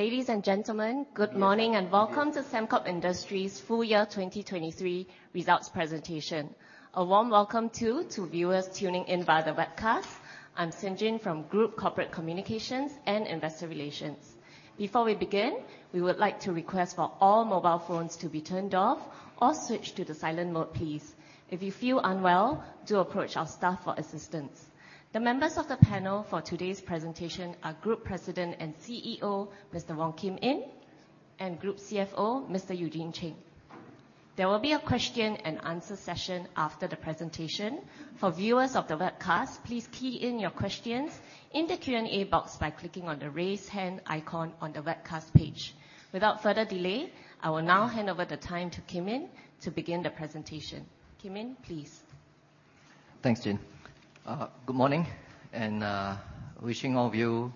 Ladies and gentlemen, good morning and welcome to Sembcorp Industries' Full Year 2023 Results Presentation. A warm welcome too to viewers tuning in via the webcast. I'm Xin Jin from Group Corporate Communications and Investor Relations. Before we begin, we would like to request for all mobile phones to be turned off or switch to the silent mode, please. If you feel unwell, do approach our staff for assistance. The members of the panel for today's presentation are Group President and CEO Mr. Wong Kim Yin and Group CFO Mr. Eugene Cheng. There will be a question-and-answer session after the presentation. For viewers of the webcast, please key in your questions in the Q&A box by clicking on the raise hand icon on the webcast page. Without further delay, I will now hand over the time to Kim Yin to begin the presentation. Kim Yin, please. Thanks, Jin. Good morning and wishing all of you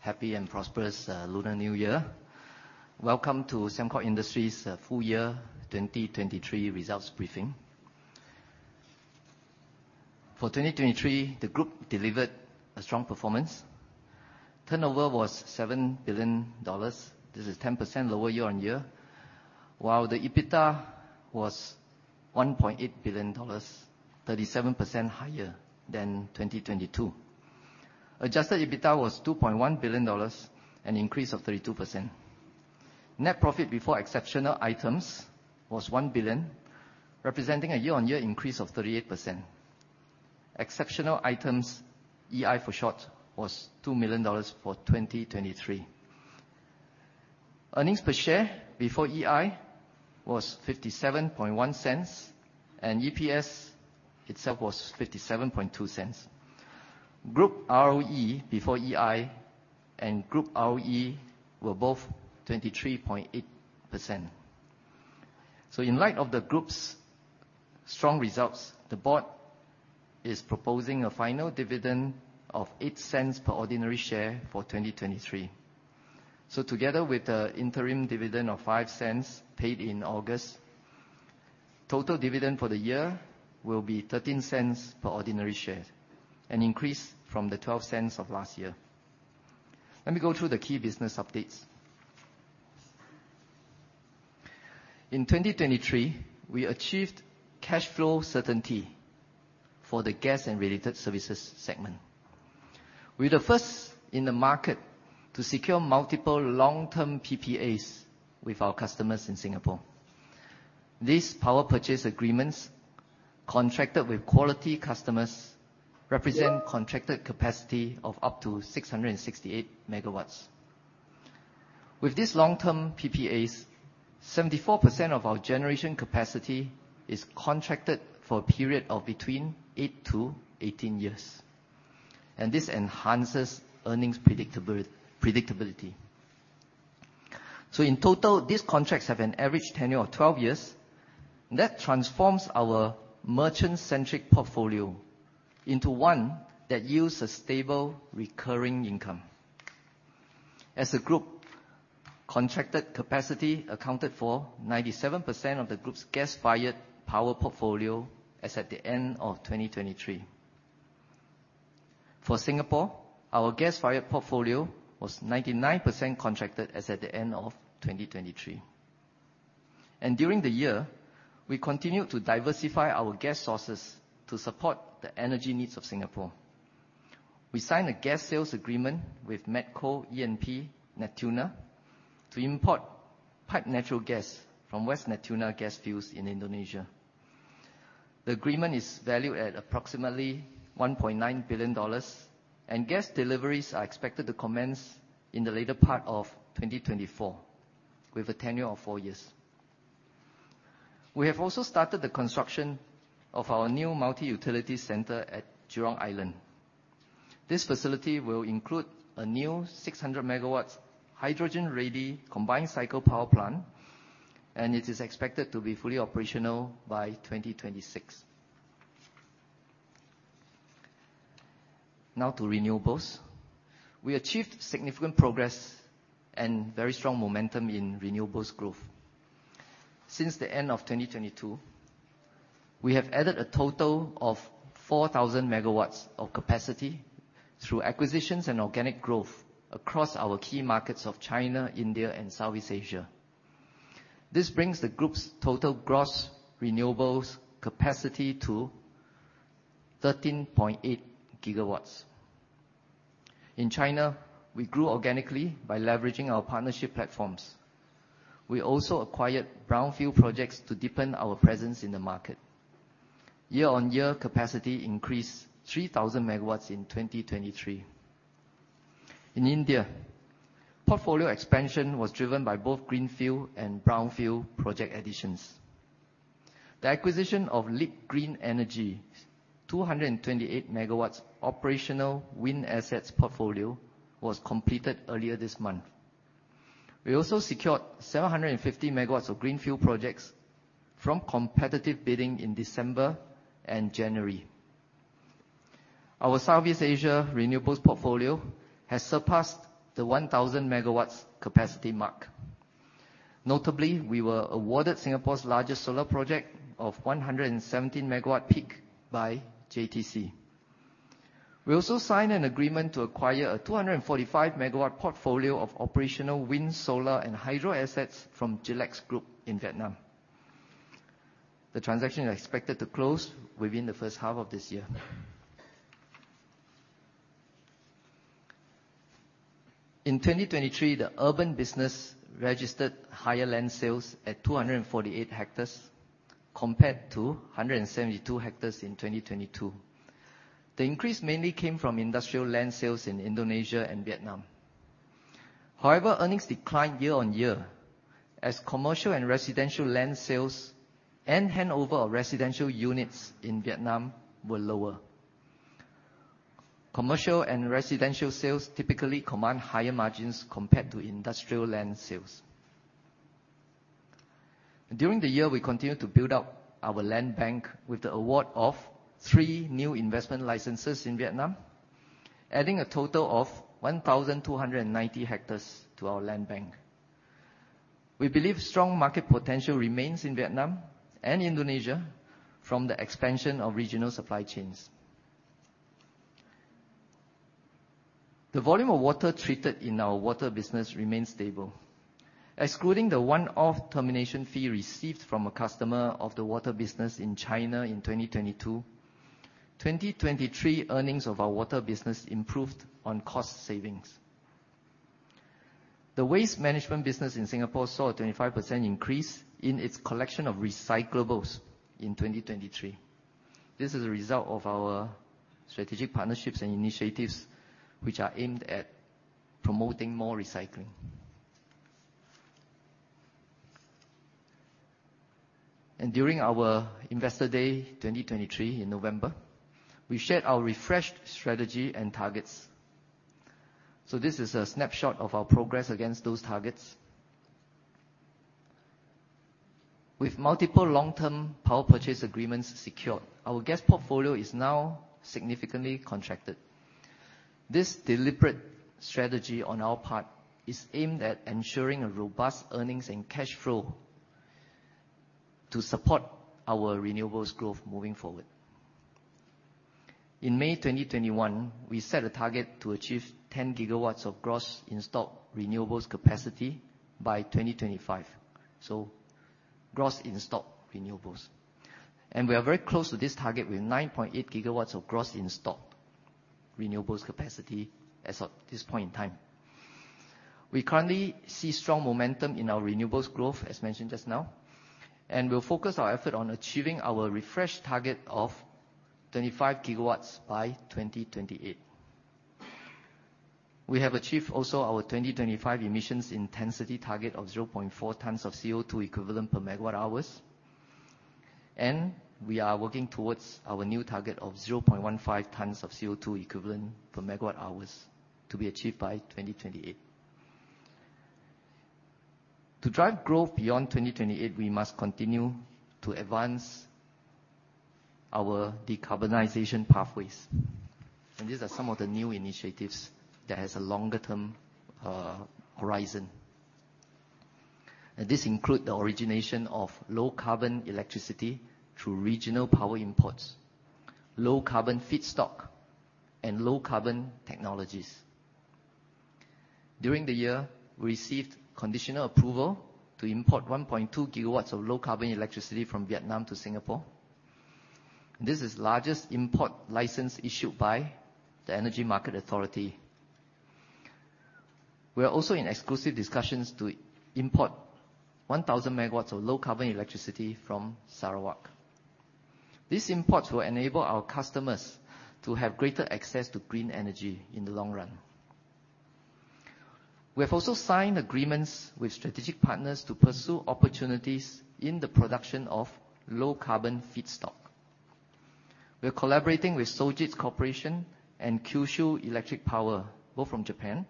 a happy and prosperous Lunar New Year. Welcome to Sembcorp Industries' Full Year 2023 Results Briefing. For 2023, the group delivered a strong performance. Turnover was 7 billion dollars. This is 10% lower year-on-year, while the EBITDA was SGD 1.8 billion, 37% higher than 2022. Adjusted EBITDA was SGD 2.1 billion, an increase of 32%. Net profit before exceptional items was 1 billion, representing a year-on-year increase of 38%. Exceptional items, EI for short, was SGD 2 million for 2023. Earnings per share before EI was 0.571, and EPS itself was 0.572. Group ROE before EI and Group ROE were both 23.8%. So in light of the group's strong results, the board is proposing a final dividend of 0.08 per ordinary share for 2023. So together with the interim dividend of 0.05 paid in August, total dividend for the year will be 0.13 per ordinary share, an increase from the 0.12 of last year. Let me go through the key business updates. In 2023, we achieved cash flow certainty for the gas and related services segment. We were the first in the market to secure multiple long-term PPAs with our customers in Singapore. These power purchase agreements contracted with quality customers represent contracted capacity of up to 668 MW. With these long-term PPAs, 74% of our generation capacity is contracted for a period of between eight-18 years, and this enhances earnings predictability. So in total, these contracts have an average tenure of 12 years, and that transforms our merchant-centric portfolio into one that yields a stable recurring income. As a group, contracted capacity accounted for 97% of the group's gas-fired power portfolio as at the end of 2023. For Singapore, our gas-fired portfolio was 99% contracted as at the end of 2023. And during the year, we continued to diversify our gas sources to support the energy needs of Singapore. We signed a gas sales agreement with Medco E&P Natuna to import piped natural gas from West Natuna gas fields in Indonesia. The agreement is valued at approximately $1.9 billion, and gas deliveries are expected to commence in the later part of 2024 with a tenure of four years. We have also started the construction of our new multi-utility center at Jurong Island. This facility will include a new 600 MW hydrogen-ready combined cycle power plant, and it is expected to be fully operational by 2026. Now to renewables. We achieved significant progress and very strong momentum in renewables growth. Since the end of 2022, we have added a total of 4,000 MW of capacity through acquisitions and organic growth across our key markets of China, India, and Southeast Asia. This brings the group's total gross renewables capacity to 13.8 GW. In China, we grew organically by leveraging our partnership platforms. We also acquired brownfield projects to deepen our presence in the market. Year-on-year, capacity increased 3,000 MW in 2023. In India, portfolio expansion was driven by both greenfield and brownfield project additions. The acquisition of Leap Green Energy, 228 MW operational wind assets portfolio, was completed earlier this month. We also secured 750 MW of greenfield projects from competitive bidding in December and January. Our Southeast Asia renewables portfolio has surpassed the 1,000 MW capacity mark. Notably, we were awarded Singapore's largest solar project of 117 MW peak by JTC. We also signed an agreement to acquire a 245 MW portfolio of operational wind, solar, and hydro assets from Gelex Group in Vietnam. The transaction is expected to close within the first half of this year. In 2023, the urban business registered higher land sales at 248 hectares compared to 172 hectares in 2022. The increase mainly came from industrial land sales in Indonesia and Vietnam. However, earnings declined year-on-year as commercial and residential land sales and handover of residential units in Vietnam were lower. Commercial and residential sales typically command higher margins compared to industrial land sales. During the year, we continue to build up our land bank with the award of three new investment licenses in Vietnam, adding a total of 1,290 hectares to our land bank. We believe strong market potential remains in Vietnam and Indonesia from the expansion of regional supply chains. The volume of water treated in our water business remains stable. Excluding the one-off termination fee received from a customer of the water business in China in 2022, 2023 earnings of our water business improved on cost savings. The waste management business in Singapore saw a 25% increase in its collection of recyclables in 2023. This is a result of our strategic partnerships and initiatives which are aimed at promoting more recycling. During our Investor Day 2023 in November, we shared our refreshed strategy and targets. This is a snapshot of our progress against those targets. With multiple long-term power purchase agreements secured, our gas portfolio is now significantly contracted. This deliberate strategy on our part is aimed at ensuring a robust earnings and cash flow to support our renewables growth moving forward. In May 2021, we set a target to achieve 10 GW of gross installed renewables capacity by 2025, so gross installed renewables. And we are very close to this target with 9.8 GW of gross installed renewables capacity at this point in time. We currently see strong momentum in our renewables growth, as mentioned just now, and we'll focus our effort on achieving our refreshed target of 25 GW by 2028. We have achieved also our 2025 emissions intensity target of 0.4 tons of CO2 equivalent per megawatt-hour, and we are working towards our new target of 0.15 tons of CO2 equivalent per megawatt-hour to be achieved by 2028. To drive growth beyond 2028, we must continue to advance our decarbonization pathways, and these are some of the new initiatives that have a longer-term horizon. This includes the origination of low-carbon electricity through regional power imports, low-carbon feedstock, and low-carbon technologies. During the year, we received conditional approval to import 1.2 GW of low-carbon electricity from Vietnam to Singapore. This is the largest import license issued by the Energy Market Authority. We are also in exclusive discussions to import 1,000 MW of low-carbon electricity from Sarawak. These imports will enable our customers to have greater access to green energy in the long run. We have also signed agreements with strategic partners to pursue opportunities in the production of low-carbon feedstock. We are collaborating with Sojitz Corporation and Kyushu Electric Power, both from Japan,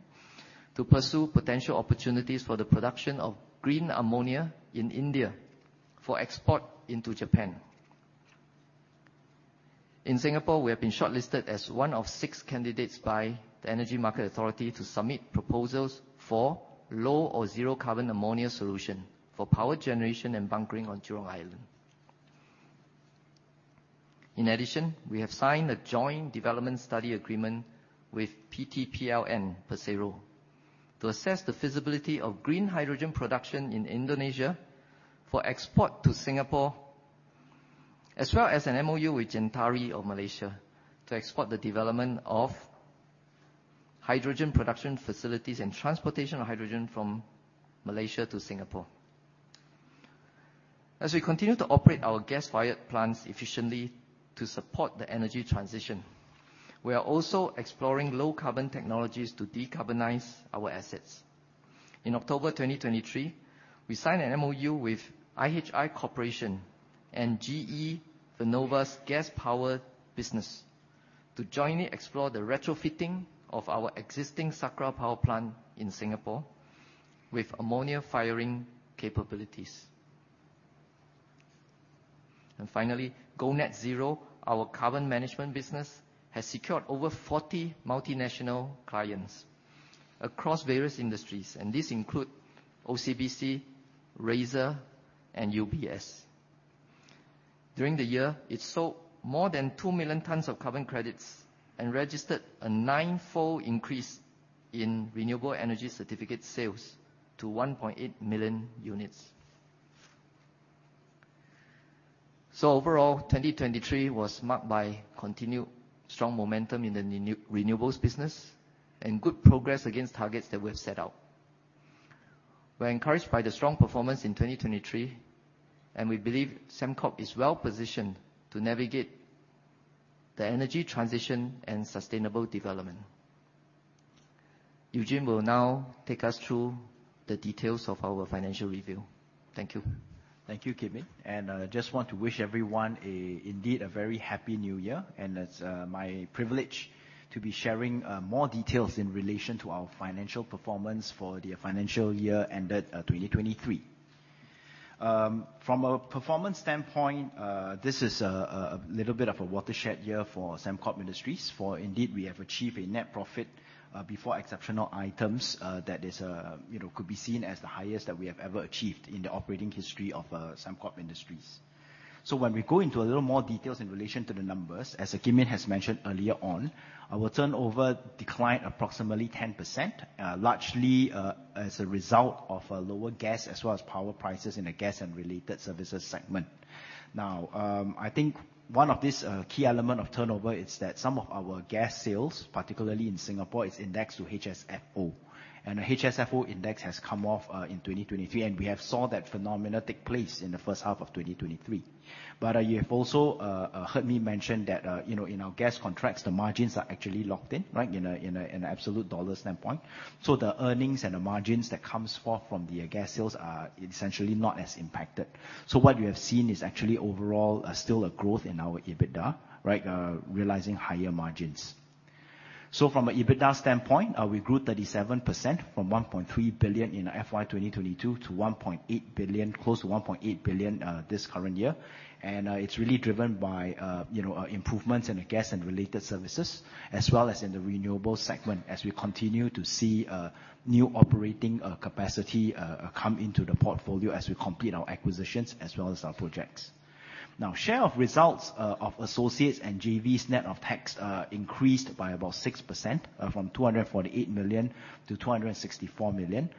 to pursue potential opportunities for the production of green ammonia in India for export into Japan. In Singapore, we have been shortlisted as one of six candidates by the Energy Market Authority to submit proposals for low or zero-carbon ammonia solution for power generation and bunkering on Jurong Island. In addition, we have signed a joint development study agreement with PT PLN (Persero) to assess the feasibility of green hydrogen production in Indonesia for export to Singapore, as well as an MOU with Gentari of Malaysia to export the development of hydrogen production facilities and transportation of hydrogen from Malaysia to Singapore. As we continue to operate our gas-fired plants efficiently to support the energy transition, we are also exploring low-carbon technologies to decarbonize our assets. In October 2023, we signed an MOU with IHI Corporation and GE Vernova's gas-powered business to jointly explore the retrofitting of our existing Sakra Power Plant in Singapore with ammonia firing capabilities. And finally, GoNetZero, our carbon management business, has secured over 40 multinational clients across various industries, and these include OCBC, Razer, and UBS. During the year, it sold more than 2 million tons of carbon credits and registered a nine-fold increase in renewable energy certificate sales to 1.8 million units. So overall, 2023 was marked by continued strong momentum in the renewables business and good progress against targets that we have set out. We are encouraged by the strong performance in 2023, and we believe Sembcorp is well-positioned to navigate the energy transition and sustainable development. Eugene will now take us through the details of our financial review. Thank you. Thank you, Kim Yin. I just want to wish everyone indeed a very happy New Year, and it's my privilege to be sharing more details in relation to our financial performance for the financial year ended 2023. From a performance standpoint, this is a little bit of a watershed year for Sembcorp Industries, for indeed we have achieved a net profit before exceptional items that could be seen as the highest that we have ever achieved in the operating history of Sembcorp Industries. So when we go into a little more details in relation to the numbers, as Kim Yin has mentioned earlier on, our turnover declined approximately 10%, largely as a result of lower gas as well as power prices in the gas and related services segment. Now, I think one of these key elements of turnover is that some of our gas sales, particularly in Singapore, is indexed to HSFO. The HSFO index has come off in 2023, and we saw that phenomenon take place in the first half of 2023. But you have also heard me mention that in our gas contracts, the margins are actually locked in, right, in an absolute dollar standpoint. So the earnings and the margins that come forth from the gas sales are essentially not as impacted. So what you have seen is actually overall still a growth in our EBITDA, right, realizing higher margins. So from an EBITDA standpoint, we grew 37% from 1.3 billion in FY 2022 to 1.8 billion, close to 1.8 billion this current year. And it's really driven by improvements in the gas and related services, as well as in the Renewables segment, as we continue to see new operating capacity come into the portfolio as we complete our acquisitions as well as our projects. Now, share of results of associates and JVs net of tax increased by about 6% from 248 million to 264 million.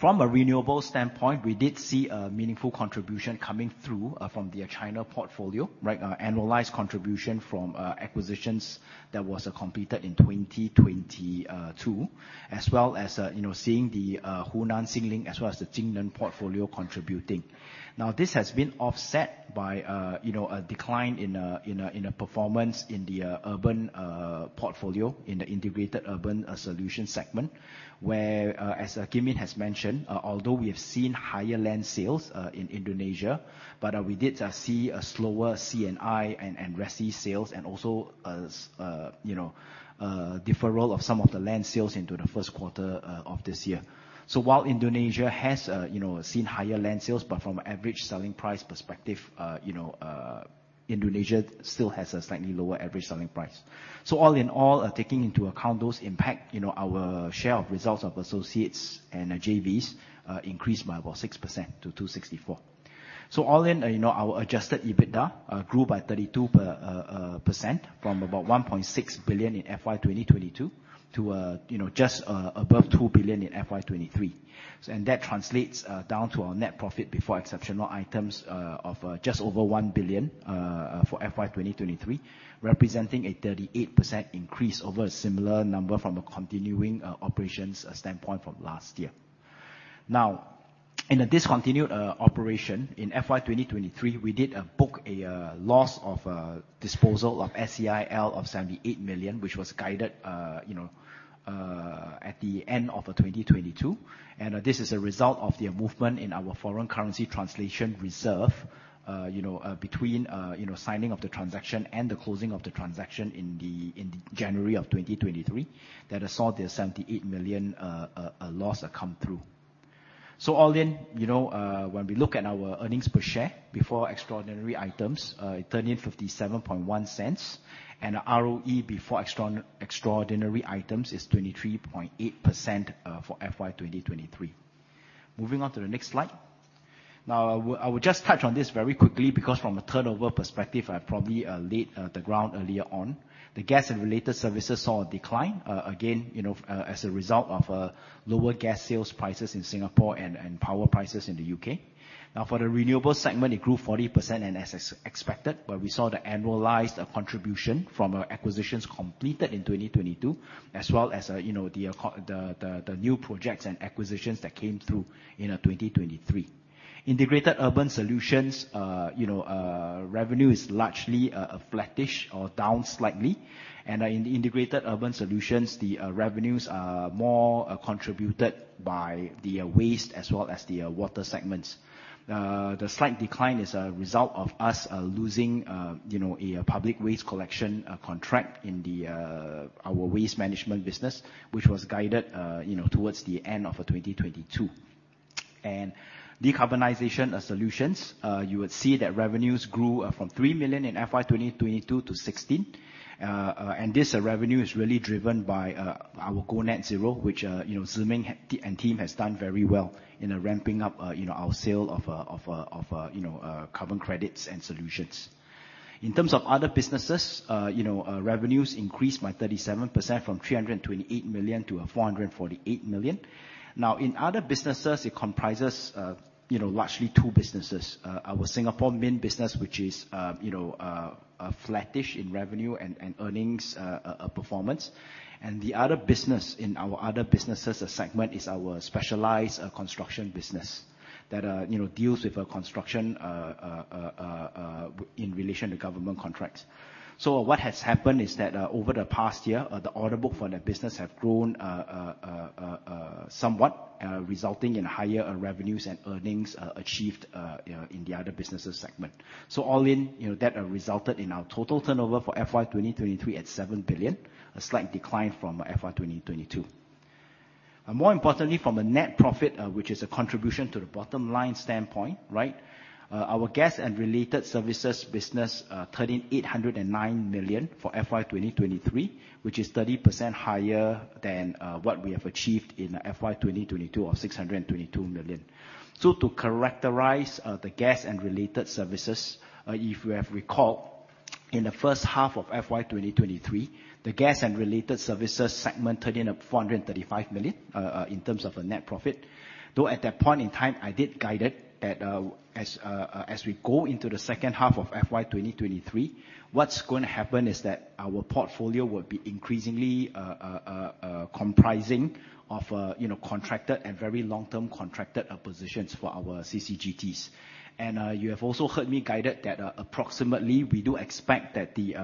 From a renewables standpoint, we did see a meaningful contribution coming through from the China portfolio, right, annualized contribution from acquisitions that were completed in 2022, as well as seeing the Hunan Xingling as well as the Jingneng portfolio contributing. Now, this has been offset by a decline in performance in the urban portfolio, in the integrated urban solution segment, where, as Kim Yin has mentioned, although we have seen higher land sales in Indonesia, but we did see a slower C&I and RESI sales and also a deferral of some of the land sales into the first quarter of this year. So while Indonesia has seen higher land sales, but from an average selling price perspective, Indonesia still has a slightly lower average selling price. So all in all, taking into account those impacts, our share of results of Associates and JVs increased by about 6% to 264 million. So all in, our adjusted EBITDA grew by 32% from about 1.6 billion in FY 2022 to just above 2 billion in FY 2023. And that translates down to our net profit before exceptional items of just over 1 billion for FY 2023, representing a 38% increase over a similar number from a continuing operations standpoint from last year. Now, in a discontinued operation in FY 2023, we did book a loss of disposal of SEIL of 78 million, which was guided at the end of 2022. And this is a result of the movement in our foreign currency translation reserve between signing of the transaction and the closing of the transaction in January of 2023 that saw the 78 million loss come through. So all in, when we look at our earnings per share before extraordinary items, it turned in 0.571, and ROE before extraordinary items is 23.8% for FY 2023. Moving on to the next slide. Now, I will just touch on this very quickly because from a turnover perspective, I probably laid the ground earlier on. The gas and related services saw a decline, again, as a result of lower gas sales prices in Singapore and power prices in the U.K. Now, for the Renewables segment, it grew 40% and as expected, but we saw the annualized contribution from acquisitions completed in 2022 as well as the new projects and acquisitions that came through in 2023. Integrated urban solutions revenue is largely a flattish or down slightly. And in the integrated urban solutions, the revenues are more contributed by the waste as well as the water segments. The slight decline is a result of us losing a public waste collection contract in our waste management business, which was guided towards the end of 2022. Decarbonization solutions, you would see that revenues grew from 3 million in FY 2022 to 16 million. And this revenue is really driven by our GoNetZero, which Xin Jin and Kim have done very well in ramping up our sale of carbon credits and solutions. In terms of other businesses, revenues increased by 37% from 328 million to 448 million. Now, in other businesses, it comprises largely two businesses. Our Singapore main business, which is flattish in revenue and earnings performance. And the other business in our other businesses segment is our specialized construction business that deals with construction in relation to government contracts. So what has happened is that over the past year, the order book for that business has grown somewhat, resulting in higher revenues and earnings achieved in the other businesses segment. So all in, that resulted in our total turnover for FY 2023 at 7 billion, a slight decline from FY 2022. More importantly, from a net profit, which is a contribution to the bottom line standpoint, right, our gas and related services business turned in 809 million for FY 2023, which is 30% higher than what we have achieved in FY 2022 of 622 million. So to characterise the gas and related services, if you have recalled, in the first half of FY 2023, the gas and related services segment turned in at 435 million in terms of a net profit. Though at that point in time, I did guide it that as we go into the second half of FY 2023, what's going to happen is that our portfolio will be increasingly comprising of contracted and very long-term contracted positions for our CCGTs. And you have also heard me guide it that approximately we do expect that the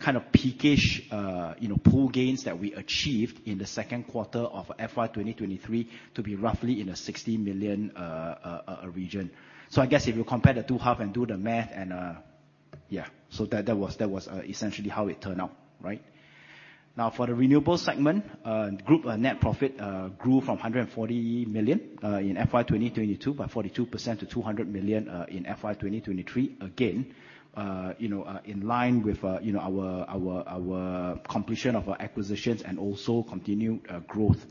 kind of peakish pool gains that we achieved in the second quarter of FY 2023 to be roughly in a 60 million region. So I guess if you compare the two halves and do the math and yeah, so that was essentially how it turned out, right? Now, for the Renewables segment, group net profit grew from 140 million in FY 2022 by 42% to 200 million in FY 2023, again, in line with our completion of our acquisitions and also continued growth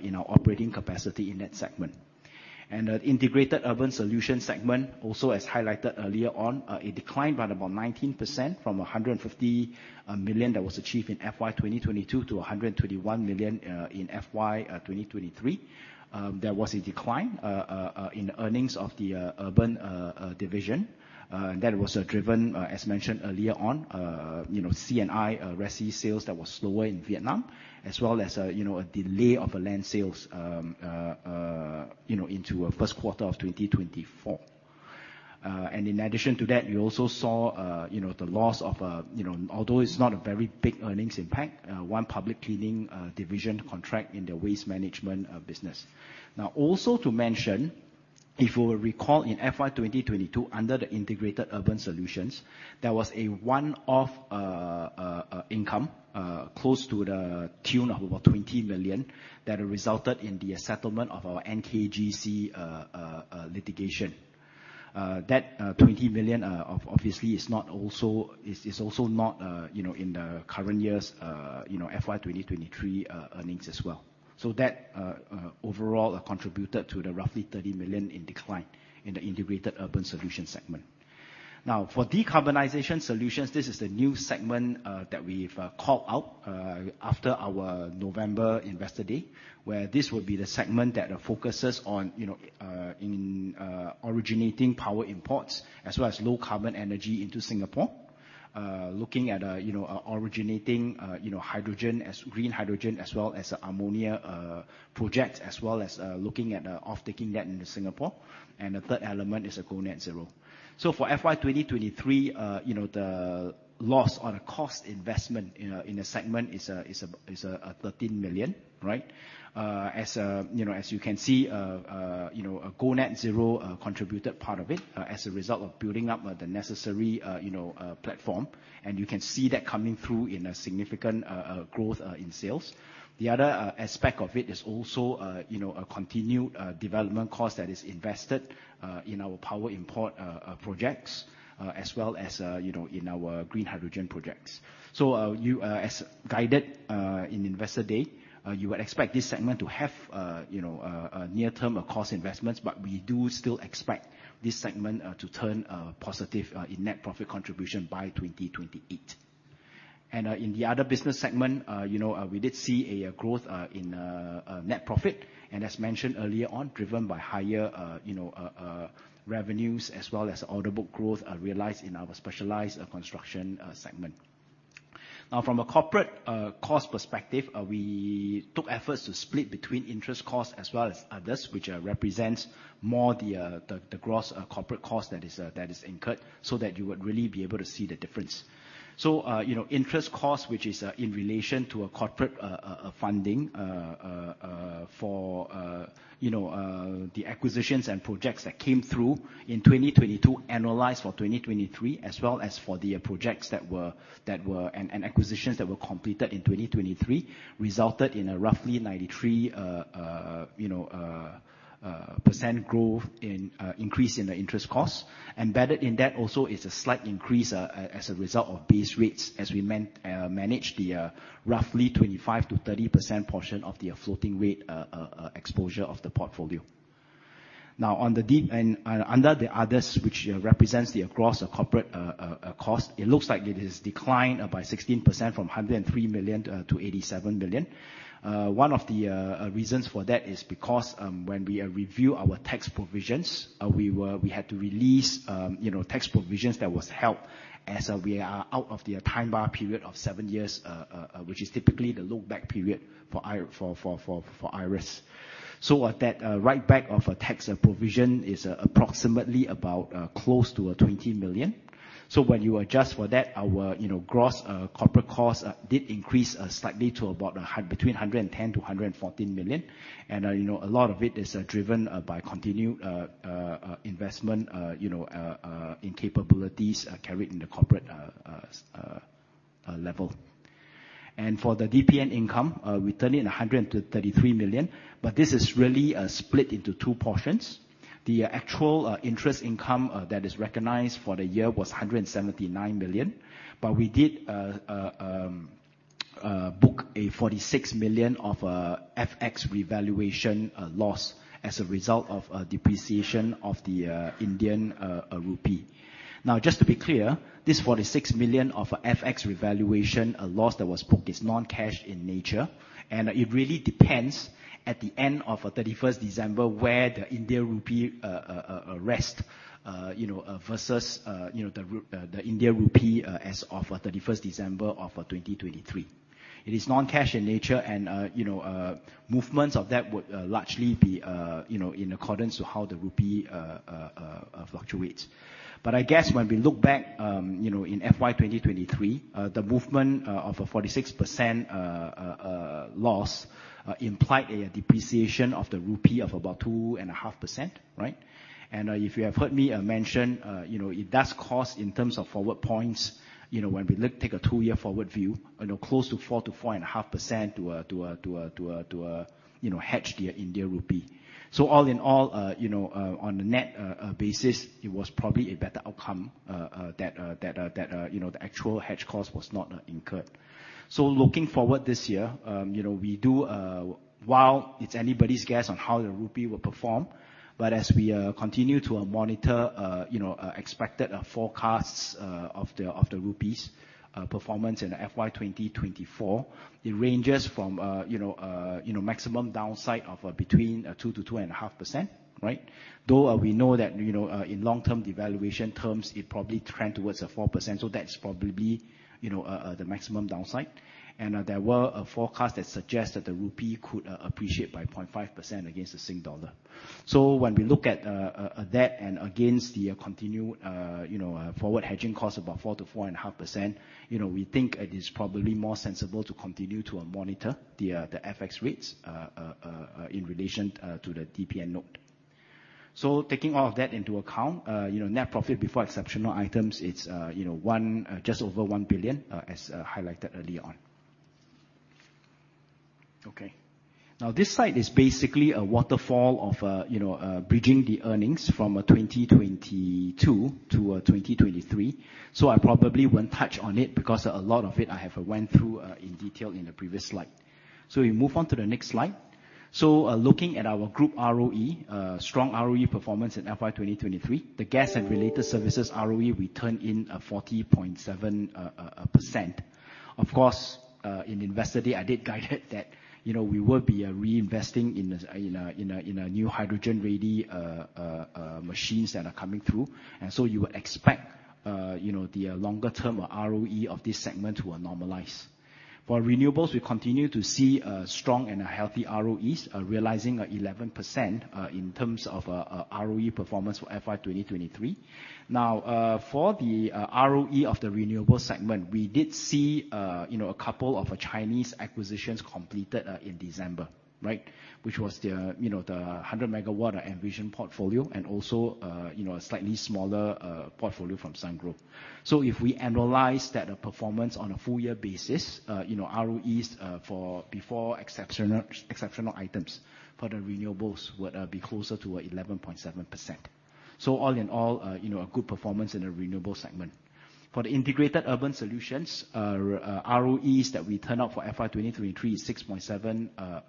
in our operating capacity in that segment. The integrated urban solutions segment, also as highlighted earlier on, declined by about 19% from 150 million that was achieved in FY 2022 to 121 million in FY 2023. There was a decline in earnings of the urban division. That was driven, as mentioned earlier on, by C&I RESI sales that were slower in Vietnam, as well as a delay of land sales into the first quarter of 2024. In addition to that, you also saw the loss of, although it's not a very big earnings impact, one public cleaning division contract in the waste management business. Now, also to mention, if you recall in FY 2022, under the integrated urban solutions, there was a one-off income close to the tune of about 20 million that resulted in the settlement of our NJGC litigation. That 20 million obviously is also not in the current year's FY 2023 earnings as well. So that overall contributed to the roughly 30 million in decline in the integrated urban solutions segment. Now, for decarbonization solutions, this is the new segment that we've called out after our November Investor Day, where this will be the segment that focuses on originating power imports as well as low-carbon energy into Singapore, looking at originating green hydrogen as well as ammonia projects, as well as looking at offtaking that in Singapore. And the third element is GoNetZero. So for FY 2023, the loss on a cost investment in a segment is 13 million, right? As you can see, GoNetZero contributed part of it as a result of building up the necessary platform. And you can see that coming through in a significant growth in sales. The other aspect of it is also a continued development cost that is invested in our power import projects as well as in our green hydrogen projects. As guided in Investor Day, you would expect this segment to have near-term cost investments, but we do still expect this segment to turn positive in net profit contribution by 2028. In the other business segment, we did see a growth in net profit, and as mentioned earlier on, driven by higher revenues as well as order book growth realized in our specialised construction segment. Now, from a corporate cost perspective, we took efforts to split between interest costs as well as others, which represents more the gross corporate cost that is incurred so that you would really be able to see the difference. So interest costs, which is in relation to corporate funding for the acquisitions and projects that came through in 2022, annualized for 2023, as well as for the projects that were and acquisitions that were completed in 2023, resulted in a roughly 93% growth in increase in the interest costs. Embedded in that also is a slight increase as a result of base rates as we managed the roughly 25%-30% portion of the floating rate exposure of the portfolio. Now, under the others, which represents the across corporate cost, it looks like it has declined by 16% from 103 million to 87 million. One of the reasons for that is because when we review our tax provisions, we had to release tax provisions that were held as we are out of the time bar period of seven years, which is typically the lookback period for IRAS. So that write-back of a tax provision is approximately about close to 20 million. So when you adjust for that, our gross corporate costs did increase slightly to about between 110 million-114 million. And a lot of it is driven by continued investment in capabilities carried in the corporate level. And for the DPN income, we turned in 133 million, but this is really split into two portions. The actual interest income that is recognized for the year was 179 million, but we did book a 46 million of FX revaluation loss as a result of depreciation of the Indian rupee. Now, just to be clear, this 46 million of FX revaluation loss that was booked is non-cash in nature. And it really depends at the end of 31st December where the Indian rupee rests versus the Indian rupee as of 31st December of 2023. It is non-cash in nature, and movements of that would largely be in accordance to how the rupee fluctuates. But I guess when we look back in FY 2023, the movement of a 46% loss implied a depreciation of the rupee of about 2.5%, right? And if you have heard me mention, it does cost in terms of forward points, when we take a two-year forward view, close to 4%-4.5% to hedge the Indian rupee. So all in all, on a net basis, it was probably a better outcome that the actual hedge cost was not incurred. So looking forward this year, we do, while it's anybody's guess on how the rupee will perform, but as we continue to monitor expected forecasts of the rupee's performance in FY 2024, it ranges from maximum downside of between 2%-2.5%, right? Though we know that in long-term devaluation terms, it probably trends towards 4%. So that's probably the maximum downside. There were forecasts that suggest that the rupee could appreciate by 0.5% against the Singapore dollar. When we look at that and against the continued forward hedging costs about 4%-4.5%, we think it is probably more sensible to continue to monitor the FX rates in relation to the DPN note. Taking all of that into account, net profit before exceptional items, it's just over 1 billion as highlighted earlier on. Okay. Now, this slide is basically a waterfall of bridging the earnings from 2022 to 2023. I probably won't touch on it because a lot of it I have went through in detail in the previous slide. We move on to the next slide. So looking at our group ROE, strong ROE performance in FY 2023, the gas and related services ROE returned in 40.7%. Of course, in Investor Day, I did guide it that we will be reinvesting in a new hydrogen-ready machines that are coming through. And so you would expect the longer-term ROE of this segment to normalize. For renewables, we continue to see strong and healthy ROEs, realizing 11% in terms of ROE performance for FY 2023. Now, for the ROE of the Renewables segment, we did see a couple of Chinese acquisitions completed in December, right, which was the 100 MW Envision portfolio and also a slightly smaller portfolio from Sungrow. So if we analyze that performance on a full-year basis, ROEs before exceptional items for the renewables would be closer to 11.7%. So all in all, a good performance in the Renewables segment. For the integrated urban solutions, ROEs that we turn out for FY 2023 is 6.7%,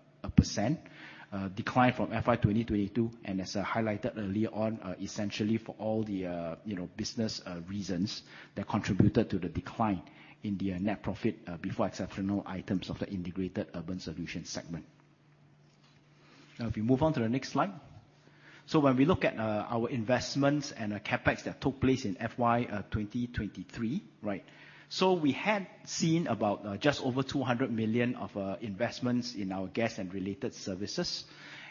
declined from FY 2022, and as I highlighted earlier on, essentially for all the business reasons that contributed to the decline in the net profit before exceptional items of the integrated urban solution segment. Now, if we move on to the next slide. So when we look at our investments and CapEx that took place in FY 2023, right, so we had seen about just over 200 million of investments in our gas and related services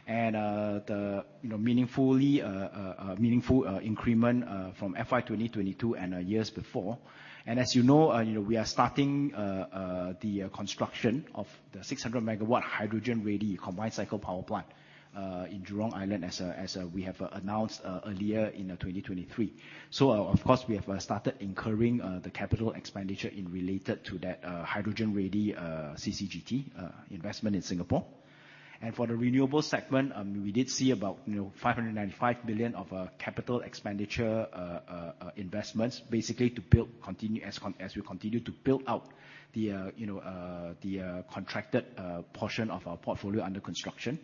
and the meaningful increment from FY 2022 and years before. And as you know, we are starting the construction of the 600 MW hydrogen-ready combined cycle power plant in Jurong Island as we have announced earlier in 2023. So of course, we have started incurring the capital expenditure related to that hydrogen-ready CCGT investment in Singapore. For the Renewables segment, we did see about 595 million of capital expenditure investments, basically as we continue to build out the contracted portion of our portfolio under construction.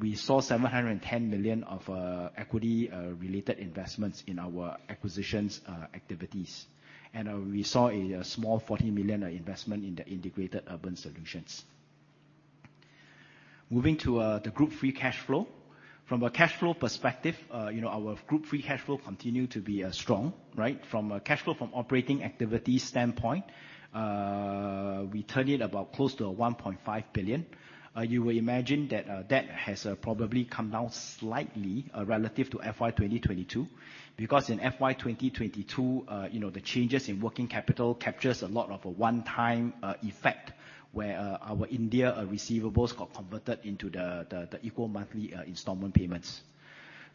We saw 710 million of equity-related investments in our acquisitions activities. We saw a small 40 million investment in the integrated urban solutions. Moving to the group free cash flow. From a cash flow perspective, our group free cash flow continued to be strong, right? From a cash flow from operating activity standpoint, we turned it about close to 1.5 billion. You will imagine that that has probably come down slightly relative to FY 2022 because in FY 2022, the changes in working capital captures a lot of a one-time effect where our India receivables got converted into the equal monthly installment payments.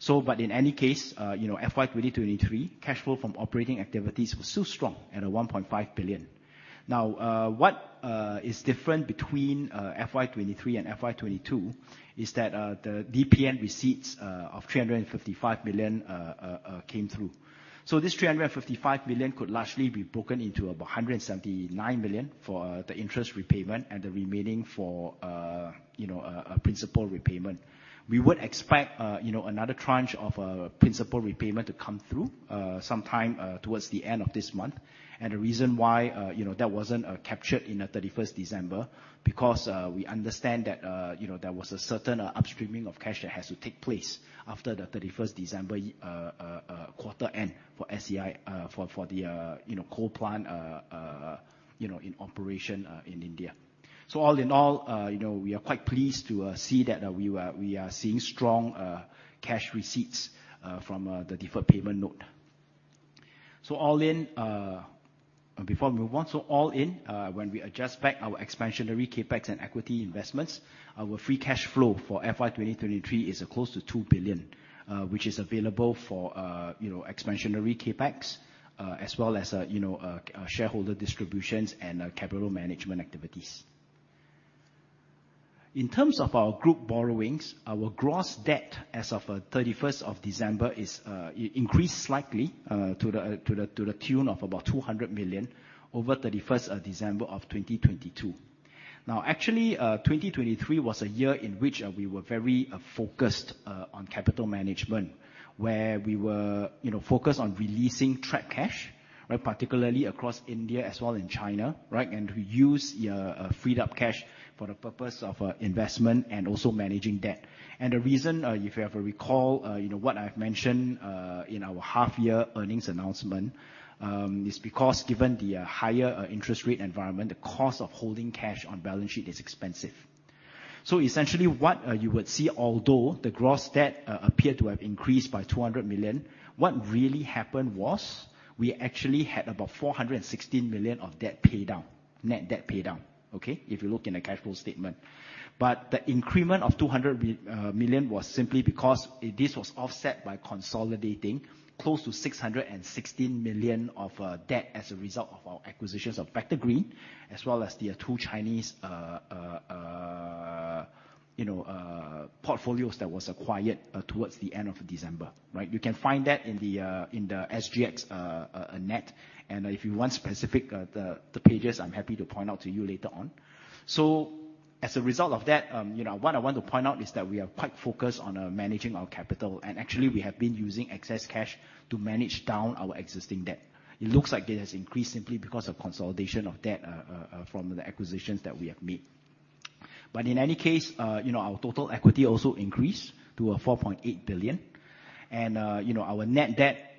But in any case, FY 2023, cash flow from operating activities was still strong at 1.5 billion. Now, what is different between FY 2023 and FY 2022 is that the DPN receipts of 355 million came through. So this 355 million could largely be broken into about 179 million for the interest repayment and the remaining for principal repayment. We would expect another tranche of principal repayment to come through sometime towards the end of this month. And the reason why that wasn't captured in 31st December because we understand that there was a certain upstreaming of cash that has to take place after the 31st December quarter end for the coal plant in operation in India. So all in all, we are quite pleased to see that we are seeing strong cash receipts from the deferred payment note. So all in before we move on. So all in, when we adjust back our expansionary CapEx and equity investments, our free cash flow for FY 2023 is close to 2 billion, which is available for expansionary CapEx as well as shareholder distributions and capital management activities. In terms of our group borrowings, our gross debt as of 31st of December increased slightly to the tune of about 200 million over 31st December of 2022. Now, actually, 2023 was a year in which we were very focused on capital management where we were focused on releasing trapped cash, particularly across India as well in China, right, and to use freed-up cash for the purpose of investment and also managing debt. And the reason, if you ever recall what I've mentioned in our half-year earnings announcement, is because given the higher interest rate environment, the cost of holding cash on balance sheet is expensive. So essentially, what you would see, although the gross debt appeared to have increased by 200 million, what really happened was we actually had about 416 million of net debt paydown, okay, if you look in the cash flow statement. But the increment of 200 million was simply because this was offset by consolidating close to 616 million of debt as a result of our acquisitions of Vector Green as well as the two Chinese portfolios that were acquired towards the end of December, right? You can find that in the SGXNet. And if you want specific pages, I'm happy to point out to you later on. So as a result of that, what I want to point out is that we are quite focused on managing our capital. And actually, we have been using excess cash to manage down our existing debt. It looks like it has increased simply because of consolidation of debt from the acquisitions that we have made. But in any case, our total equity also increased to 4.8 billion. And our net debt,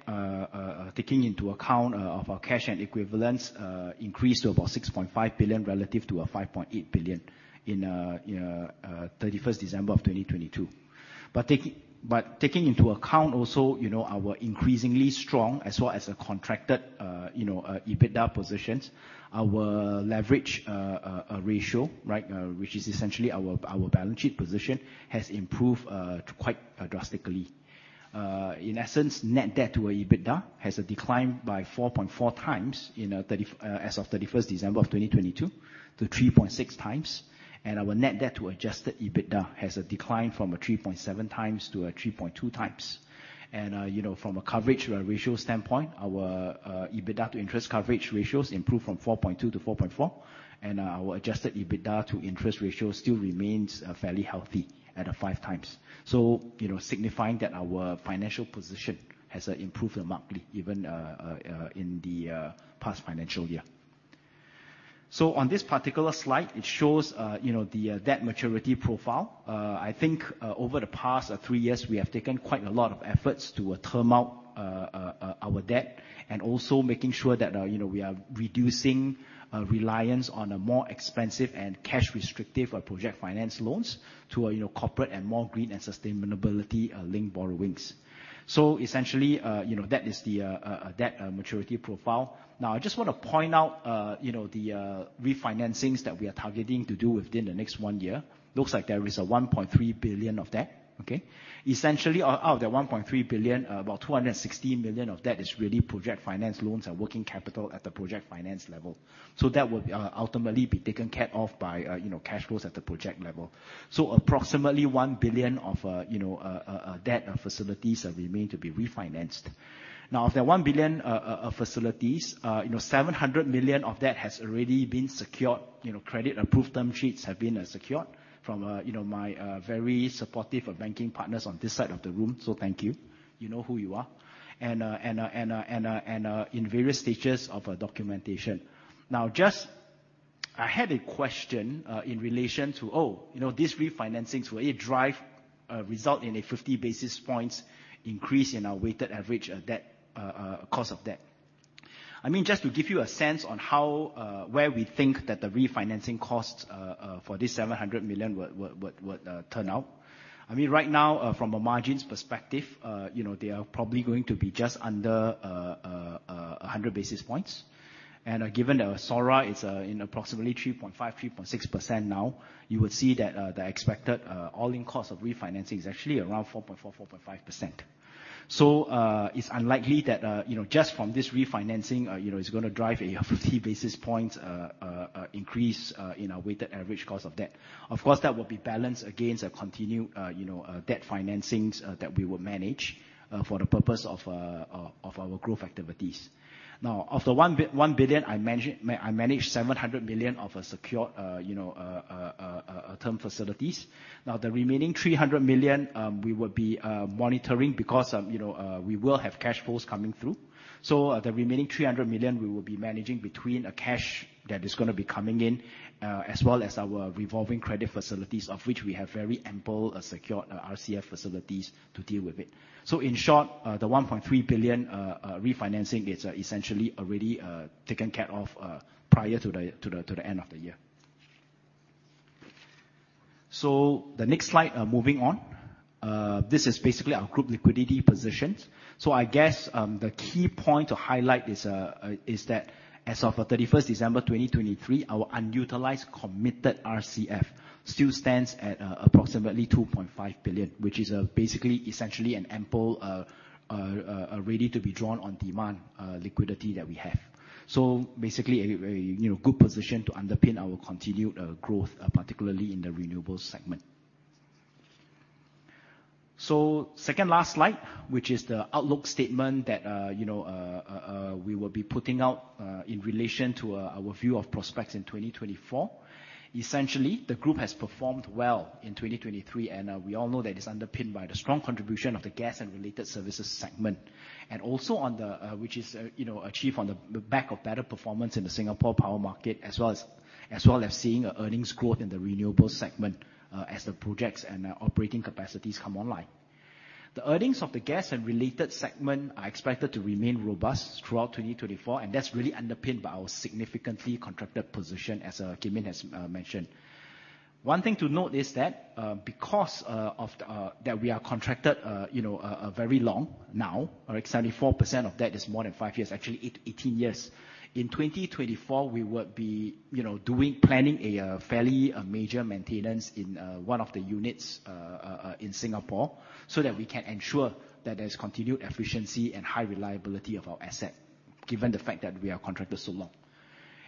taking into account of our cash and equivalents, increased to about 6.5 billion relative to 5.8 billion on 31st December of 2022. But taking into account also our increasingly strong as well as contracted EBITDA positions, our leverage ratio, right, which is essentially our balance sheet position, has improved quite drastically. In essence, net debt-to-EBITDA has declined by 4.4x as of 31st December of 2022 to 3.6x. And our net debt to adjusted EBITDA has declined from 3.7x to 3.2x. And from a coverage ratio standpoint, our EBITDA to interest coverage ratios improved from 4.2 to 4.4. Our adjusted EBITDA to interest ratio still remains fairly healthy at 5x, so signifying that our financial position has improved markedly even in the past financial year. On this particular slide, it shows the debt maturity profile. I think over the past three years, we have taken quite a lot of efforts to term out our debt and also making sure that we are reducing reliance on more expensive and cash-restrictive project finance loans to corporate and more green and sustainability-linked borrowings. Essentially, that is the debt maturity profile. Now, I just want to point out the refinancings that we are targeting to do within the next one year. Looks like there is 1.3 billion of that, okay? Essentially, out of that 1.3 billion, about 260 million of that is really project finance loans and working capital at the project finance level. So that would ultimately be taken care of by cash flows at the project level. So approximately 1 billion of debt facilities remain to be refinanced. Now, of that 1 billion of facilities, 700 million of that has already been secured. Credit-approved term sheets have been secured from my very supportive banking partners on this side of the room. So thank you. You know who you are. And in various stages of documentation. Now, I had a question in relation to, "Oh, these refinancings, will it result in a 50 basis points increase in our weighted average cost of debt?" I mean, just to give you a sense on where we think that the refinancing costs for this 700 million would turn out, I mean, right now, from a margins perspective, they are probably going to be just under 100 basis points. Given that SORA is in approximately 3.5%-3.6% now, you would see that the expected all-in cost of refinancing is actually around 4.4%-4.5%. So it's unlikely that just from this refinancing, it's going to drive a 50 basis points increase in our weighted average cost of debt. Of course, that will be balanced against continued debt financings that we will manage for the purpose of our growth activities. Now, of the 1 billion, I managed 700 million of secured term facilities. Now, the remaining 300 million, we would be monitoring because we will have cash flows coming through. So the remaining 300 million, we will be managing between cash that is going to be coming in as well as our revolving credit facilities, of which we have very ample secured RCF facilities to deal with it. So in short, the 1.3 billion refinancing is essentially already taken care of prior to the end of the year. So the next slide, moving on. This is basically our group liquidity positions. So I guess the key point to highlight is that as of 31st December 2023, our unutilised committed RCF still stands at approximately 2.5 billion, which is basically essentially an ample ready-to-be-drawn-on-demand liquidity that we have. So basically, a good position to underpin our continued growth, particularly in the Renewables segment. So second last slide, which is the outlook statement that we will be putting out in relation to our view of prospects in 2024. Essentially, the group has performed well in 2023, and we all know that it's underpinned by the strong contribution of the gas and related services segment, which is achieved on the back of better performance in the Singapore power market as well as seeing earnings growth in the Renewables segment as the projects and operating capacities come online. The earnings of the gas and related segment are expected to remain robust throughout 2024, and that's really underpinned by our significantly contracted position, as Kim Yin has mentioned. One thing to note is that because we are contracted very long now, 74% of that is more than five years, actually 18 years. In 2024, we would be planning a fairly major maintenance in one of the units in Singapore so that we can ensure that there's continued efficiency and high reliability of our asset given the fact that we are contracted so long.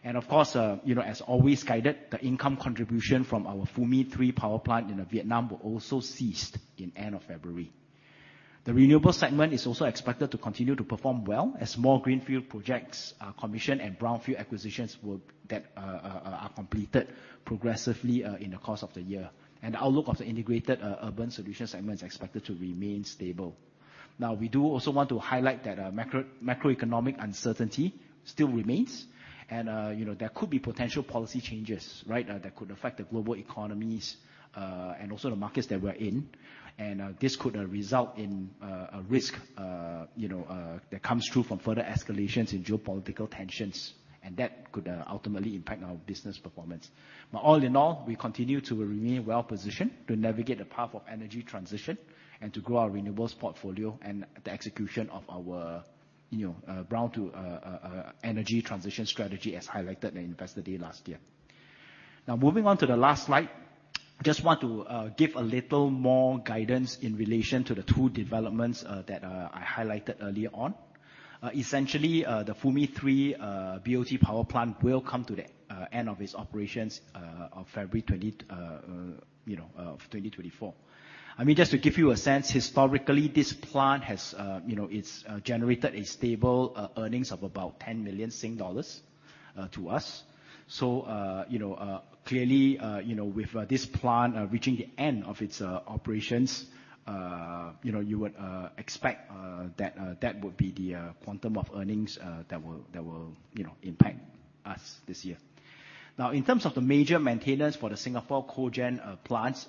Of course, as always guided, the income contribution from our Phu My 3 power plant in Vietnam will also cease at the end of February. The Renewables segment is also expected to continue to perform well as more greenfield projects commission and brownfield acquisitions that are completed progressively in the course of the year. The outlook of the integrated urban solution segment is expected to remain stable. Now, we do also want to highlight that macroeconomic uncertainty still remains, and there could be potential policy changes, right, that could affect the global economies and also the markets that we're in. This could result in a risk that comes through from further escalations in geopolitical tensions, and that could ultimately impact our business performance. But all in all, we continue to remain well positioned to navigate the path of energy transition and to grow our renewables portfolio and the execution of our brown-to-energy transition strategy as highlighted on Investor Day last year. Now, moving on to the last slide, I just want to give a little more guidance in relation to the two developments that I highlighted earlier on. Essentially, the Phu My 3 BOT power plant will come to the end of its operations in February of 2024. I mean, just to give you a sense, historically, this plant has generated a stable earnings of about 10 million Sing dollars to us. So clearly, with this plant reaching the end of its operations, you would expect that would be the quantum of earnings that will impact us this year. Now, in terms of the major maintenance for the Singapore cogen plants,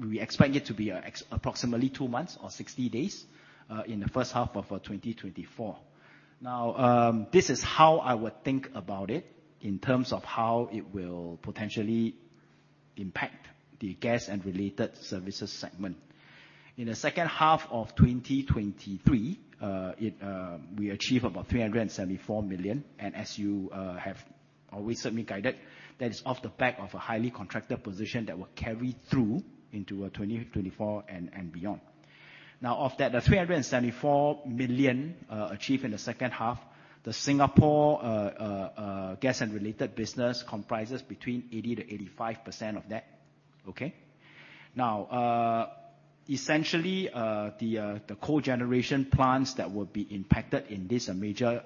we expect it to be approximately two months or 60 days in the first half of 2024. Now, this is how I would think about it in terms of how it will potentially impact the gas and related services segment. In the second half of 2023, we achieved about 374 million. And as you have always certainly guided, that is off the back of a highly contracted position that will carry through into 2024 and beyond. Now, of that, the 374 million achieved in the second half, the Singapore gas and related business comprises between 80%-85% of that, okay? Now, essentially, the coal generation plants that will be impacted in this major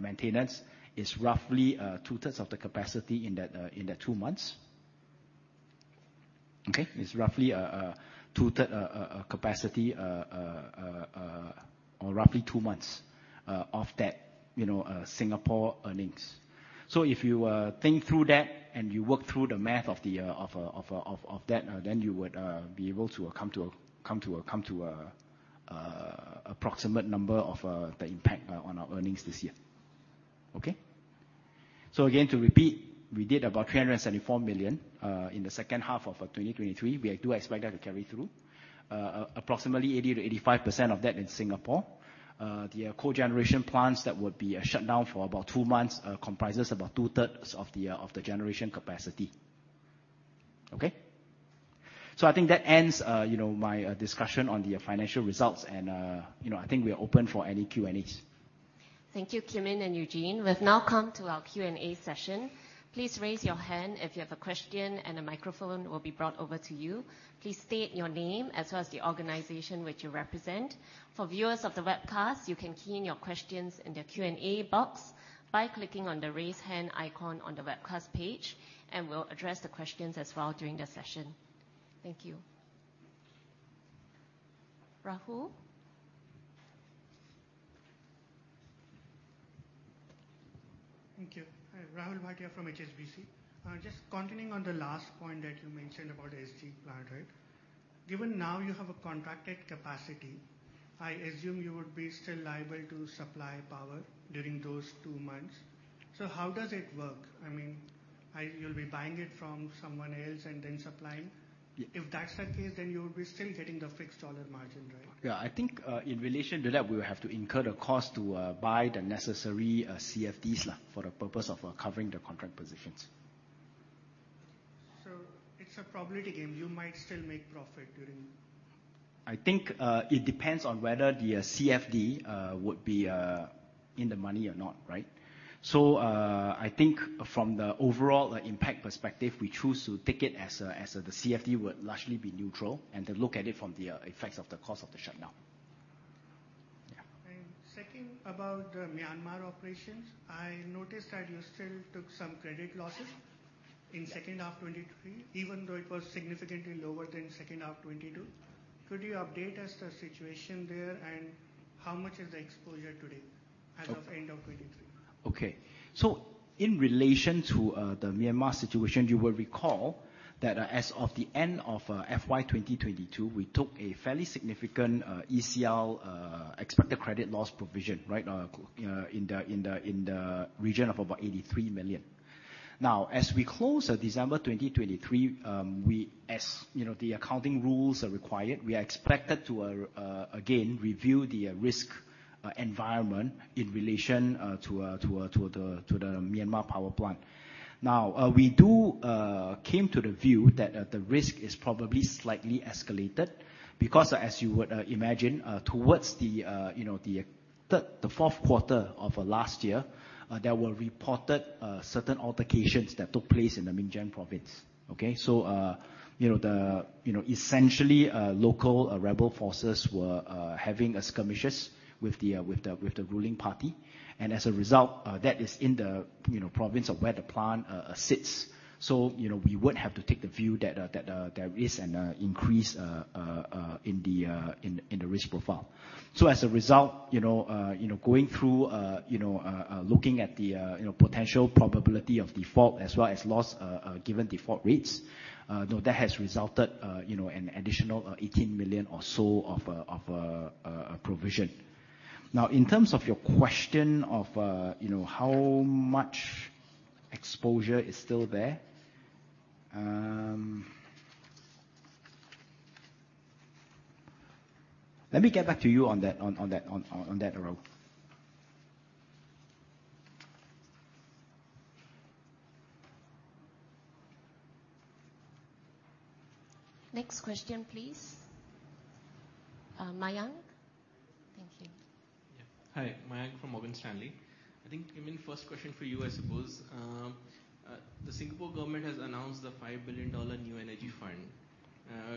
maintenance is roughly two-thirds of the capacity in that two months, okay? It's roughly two-thirds capacity or roughly two months of that Singapore earnings. So if you think through that and you work through the math of that, then you would be able to come to an approximate number of the impact on our earnings this year, okay? So again, to repeat, we did about 374 million in the second half of 2023. We do expect that to carry through. Approximately 80%-85% of that in Singapore. The coal generation plants that would be shut down for about two months comprises about two-thirds of the generation capacity, okay? So I think that ends my discussion on the financial results, and I think we are open for any Q&As. Thank you, Kim Yin and Eugene. We've now come to our Q&A session. Please raise your hand if you have a question, and the microphone will be brought over to you. Please state your name as well as the organisation which you represent. For viewers of the webcast, you can key in your questions in the Q&A box by clicking on the raise hand icon on the webcast page, and we'll address the questions as well during the session. Thank you. Rahul? Thank you. Hi, Rahul Bhatia from HSBC. Just continuing on the last point that you mentioned about the SG plant, right? Given now you have a contracted capacity, I assume you would be still liable to supply power during those two months. So how does it work? I mean, you'll be buying it from someone else and then supplying? If that's the case, then you would be still getting the fixed dollar margin, right? Yeah. I think in relation to that, we will have to incur the cost to buy the necessary CFDs for the purpose of covering the contract positions. So it's a probability game. You might still make profit during. I think it depends on whether the CFD would be in the money or not, right? So I think from the overall impact perspective, we choose to take it as the CFD would largely be neutral and to look at it from the effects of the cost of the shutdown. Yeah. And second, about Myanmar operations, I noticed that you still took some credit losses in second half 2023, even though it was significantly lower than second half 2022. Could you update us the situation there and how much is the exposure today as of end of 2023? Okay. So in relation to the Myanmar situation, you will recall that as of the end of FY 2022, we took a fairly significant ECL expected credit loss provision, right, in the region of about 83 million. Now, as we close December 2023, as the accounting rules are required, we are expected to, again, review the risk environment in relation to the Myanmar power plant. Now, we came to the view that the risk is probably slightly escalated because, as you would imagine, towards the fourth quarter of last year, there were reported certain altercations that took place in the Myingyan province, okay? So essentially, local rebel forces were having skirmishes with the ruling party. And as a result, that is in the province of where the plant sits. So we would have to take the view that there is an increase in the risk profile. So as a result, going through, looking at the potential probability of default as well as loss given default rates, that has resulted in an additional 18 million or so of a provision. Now, in terms of your question of how much exposure is still there, let me get back to you on that, Rahul. Next question, please. Mayank? Thank you. Hi, Mayank from Morgan Stanley. I think, Kim Yin, first question for you, I suppose. The Singapore government has announced the 5 billion dollar new energy fund.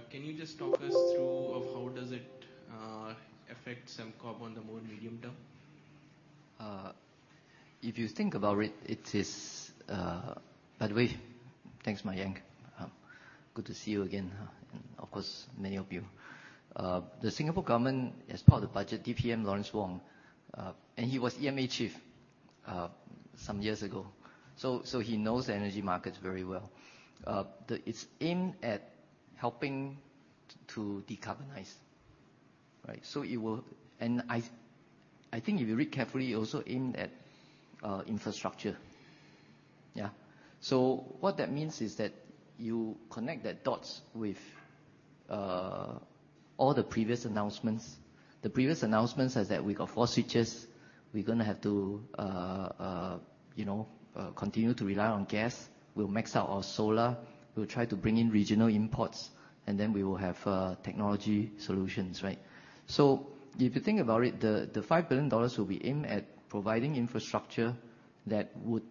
Can you just talk us through how does it affect Sembcorp on the more medium term? If you think about it, it is by the way, thanks, Mayank. Good to see you again, and of course, many of you. The Singapore government, as part of the budget, DPM Lawrence Wong, and he was EMA Chief some years ago, so he knows the energy markets very well. It's aimed at helping to decarbonize, right? And I think, if you read carefully, it also aimed at infrastructure. Yeah? So what that means is that you connect the dots with all the previous announcements. The previous announcements are that we got four switches. We're going to have to continue to rely on gas. We'll max out our solar. We'll try to bring in regional imports, and then we will have technology solutions, right? So if you think about it, the 5 billion dollars will be aimed at providing infrastructure that would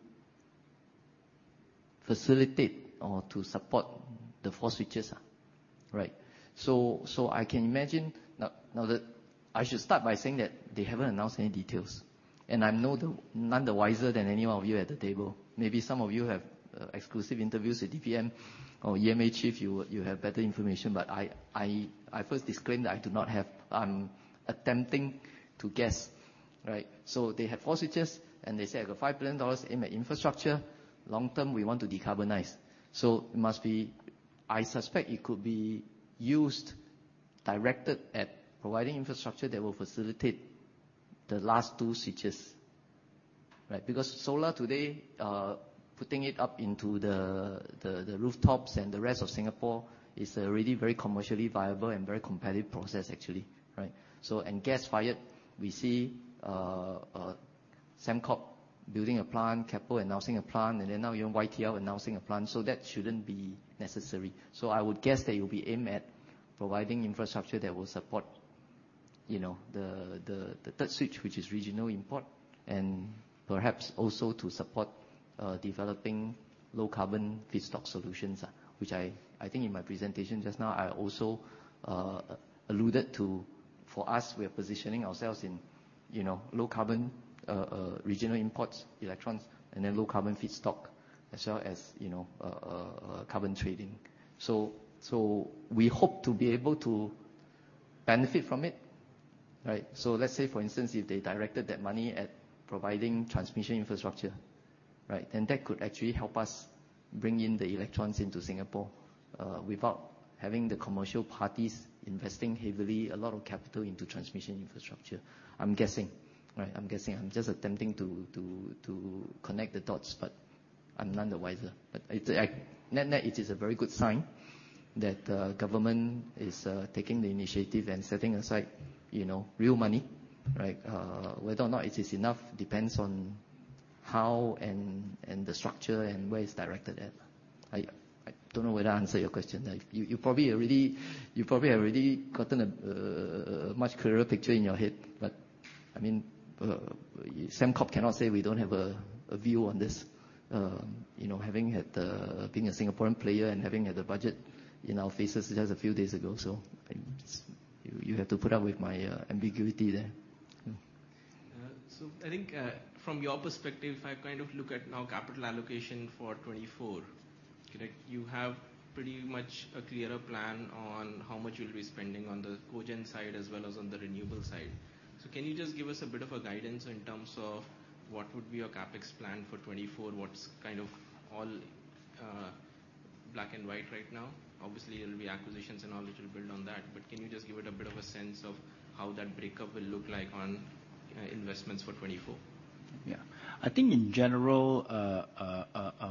facilitate or to support the four switches, right? So I can imagine now that I should start by saying that they haven't announced any details, and I'm none the wiser than any one of you at the table. Maybe some of you have exclusive interviews with DPM or EMA Chief. You have better information, but I first disclaim that I do not have. I'm attempting to guess, right? So they had four switches, and they said, "I got $5 billion aimed at infrastructure. Long term, we want to decarbonize." So it must be I suspect it could be used directed at providing infrastructure that will facilitate the last two switches, right? Because solar today, putting it up into the rooftops and the rest of Singapore is already very commercially viable and very competitive process, actually, right? And gas-fired, we see Sembcorp building a plant, Keppel announcing a plant, and then now even YTL announcing a plant. That shouldn't be necessary. I would guess that it will be aimed at providing infrastructure that will support the third switch, which is regional import, and perhaps also to support developing low-carbon feedstock solutions, which I think in my presentation just now, I also alluded to. For us, we are positioning ourselves in low-carbon regional imports, electrons, and then low-carbon feedstock as well as carbon trading. We hope to be able to benefit from it, right? Let's say, for instance, if they directed that money at providing transmission infrastructure, right, then that could actually help us bring in the electrons into Singapore without having the commercial parties investing heavily a lot of capital into transmission infrastructure. I'm guessing, right? I'm guessing. I'm just attempting to connect the dots, but I'm none the wiser. But net-net, it is a very good sign that the government is taking the initiative and setting aside real money, right? Whether or not it is enough depends on how and the structure and where it's directed at. I don't know whether I answered your question. You probably have already gotten a much clearer picture in your head, but I mean, Sembcorp cannot say we don't have a view on this, having been a Singaporean player and having had the budget in our faces just a few days ago. So you have to put up with my ambiguity there. So I think from your perspective, if I kind of look at now capital allocation for 2024, you have pretty much a clearer plan on how much you'll be spending on the cogen side as well as on the renewable side. So can you just give us a bit of a guidance in terms of what would be your CapEx plan for 2024? What's kind of all black and white right now? Obviously, it'll be acquisitions and all that will build on that, but can you just give us a bit of a sense of how that breakdown will look like on investments for 2024? Yeah. I think in general,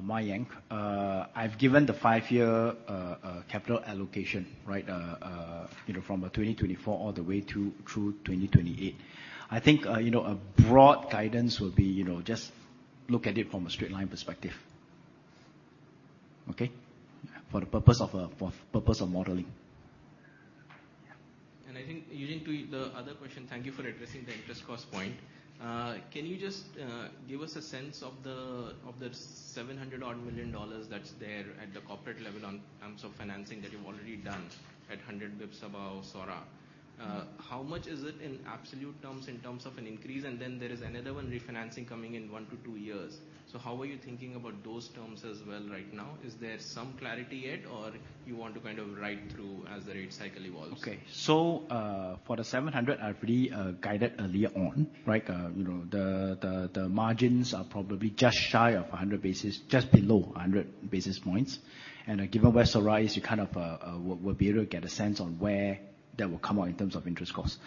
Mayank, I've given the five-year capital allocation, right, from 2024 all the way through 2028. I think a broad guidance will be just look at it from a straight-line perspective, okay, for the purpose of modeling. And I think, Eugene, to the other question, thank you for addressing the interest cost point. Can you just give us a sense of the 700-odd million dollars that's there at the corporate level in terms of financing that you've already done at 100 basis points above SORA? How much is it in absolute terms in terms of an increase? And then there is another one refinancing coming in one-two years. So how are you thinking about those terms as well right now? Is there some clarity yet, or you want to kind of ride through as the rate cycle evolves? Okay. So for the 700, I've really guided earlier on, right? The margins are probably just shy of 100 basis, just below 100 basis points. And given where SORA is, you kind of will be able to get a sense on where that will come out in terms of interest cost.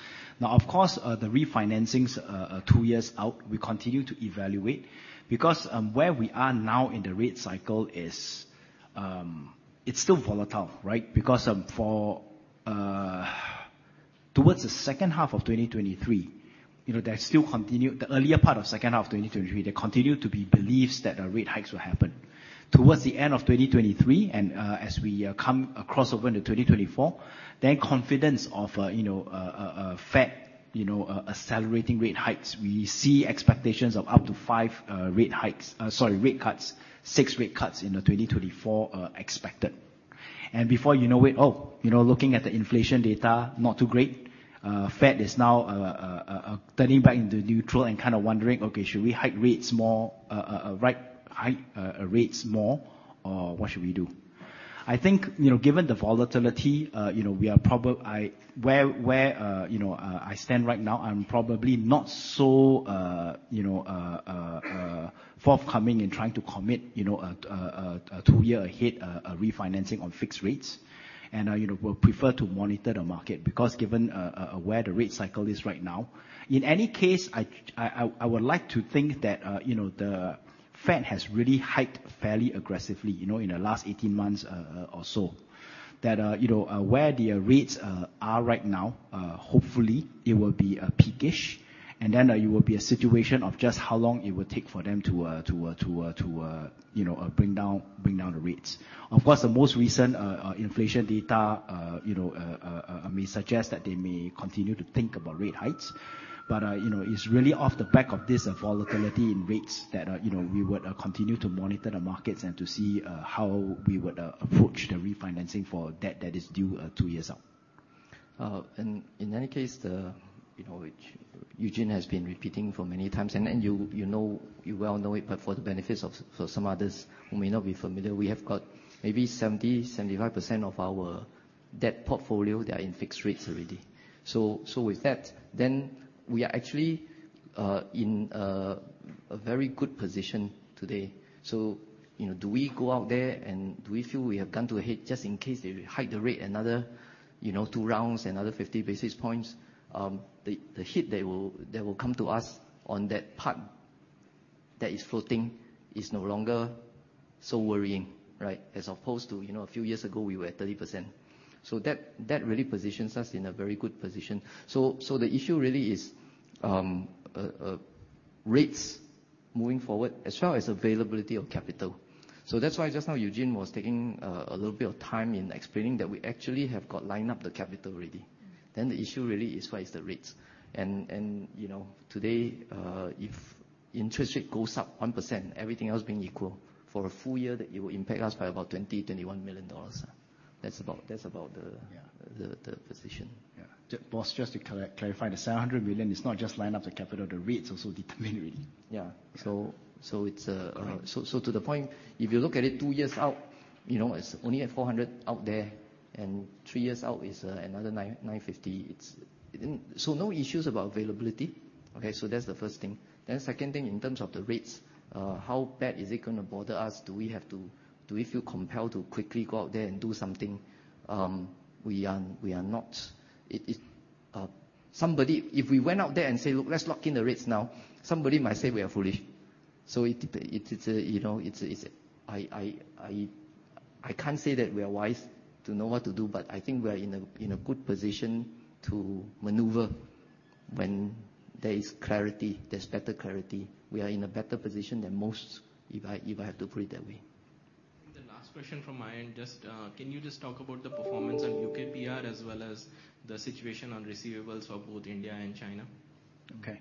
Now, of course, the refinancings two years out, we continue to evaluate because where we are now in the rate cycle is it's still volatile, right? Because towards the second half of 2023, there's still continued the earlier part of second half of 2023, there continue to be beliefs that the rate hikes will happen. Towards the end of 2023 and as we come across over into 2024, then confidence of Fed accelerating rate hikes, we see expectations of up to five rate hikes sorry, rate cuts, six rate cuts in 2024 expected. And before you know it, oh, looking at the inflation data, not too great. Fed is now turning back into neutral and kind of wondering, "Okay, should we hike rates more, right, hike rates more, or what should we do?" I think given the volatility, we are probably where I stand right now, I'm probably not so forthcoming in trying to commit a two-year ahead refinancing on fixed rates. We'll prefer to monitor the market because given where the rate cycle is right now, in any case, I would like to think that the Fed has really hiked fairly aggressively in the last 18 months or so. That's where the rates are right now, hopefully, it will be peakish, and then it will be a situation of just how long it will take for them to bring down the rates. Of course, the most recent inflation data may suggest that they may continue to think about rate hikes, but it's really off the back of this volatility in rates that we would continue to monitor the markets and to see how we would approach the refinancing for debt that is due two years out. And in any case, Eugene has been repeating for many times, and you well know it, but for the benefit of some others who may not be familiar, we have got maybe 70%-75% of our debt portfolio, they are in fixed rates already. So with that, then we are actually in a very good position today. So do we go out there and do we feel we have gone too ahead just in case they hike the rate another two rounds, another 50 basis points? The hit that will come to us on that part that is floating is no longer so worrying, right, as opposed to a few years ago, we were at 30%. So that really positions us in a very good position. So the issue really is rates moving forward as well as availability of capital. So that's why just now, Eugene was taking a little bit of time in explaining that we actually have got lined up the capital already. Then the issue really is what is the rates. And today, if interest rate goes up 1%, everything else being equal, for a full year, it will impact us by about 20 million-21 million dollars. That's about the position. Yeah. Boss, just to clarify, the 700 million is not just lined up the capital. The rates also determine really. Yeah. So, to the point, if you look at it two years out, it's only at 400 out there, and three years out is another 950. So no issues about availability, okay? So that's the first thing. Then the second thing, in terms of the rates, how bad is it going to bother us? Do we have to? Do we feel compelled to quickly go out there and do something? We are not. If we went out there and say, "Look, let's lock in the rates now," somebody might say we are foolish. So, I can't say that we are wise to know what to do, but I think we are in a good position to maneuver when there is clarity. There's better clarity. We are in a better position than most, if I have to put it that way. I think the last question from my end, can you just talk about the performance on UKPR as well as the situation on receivables for both India and China? Okay.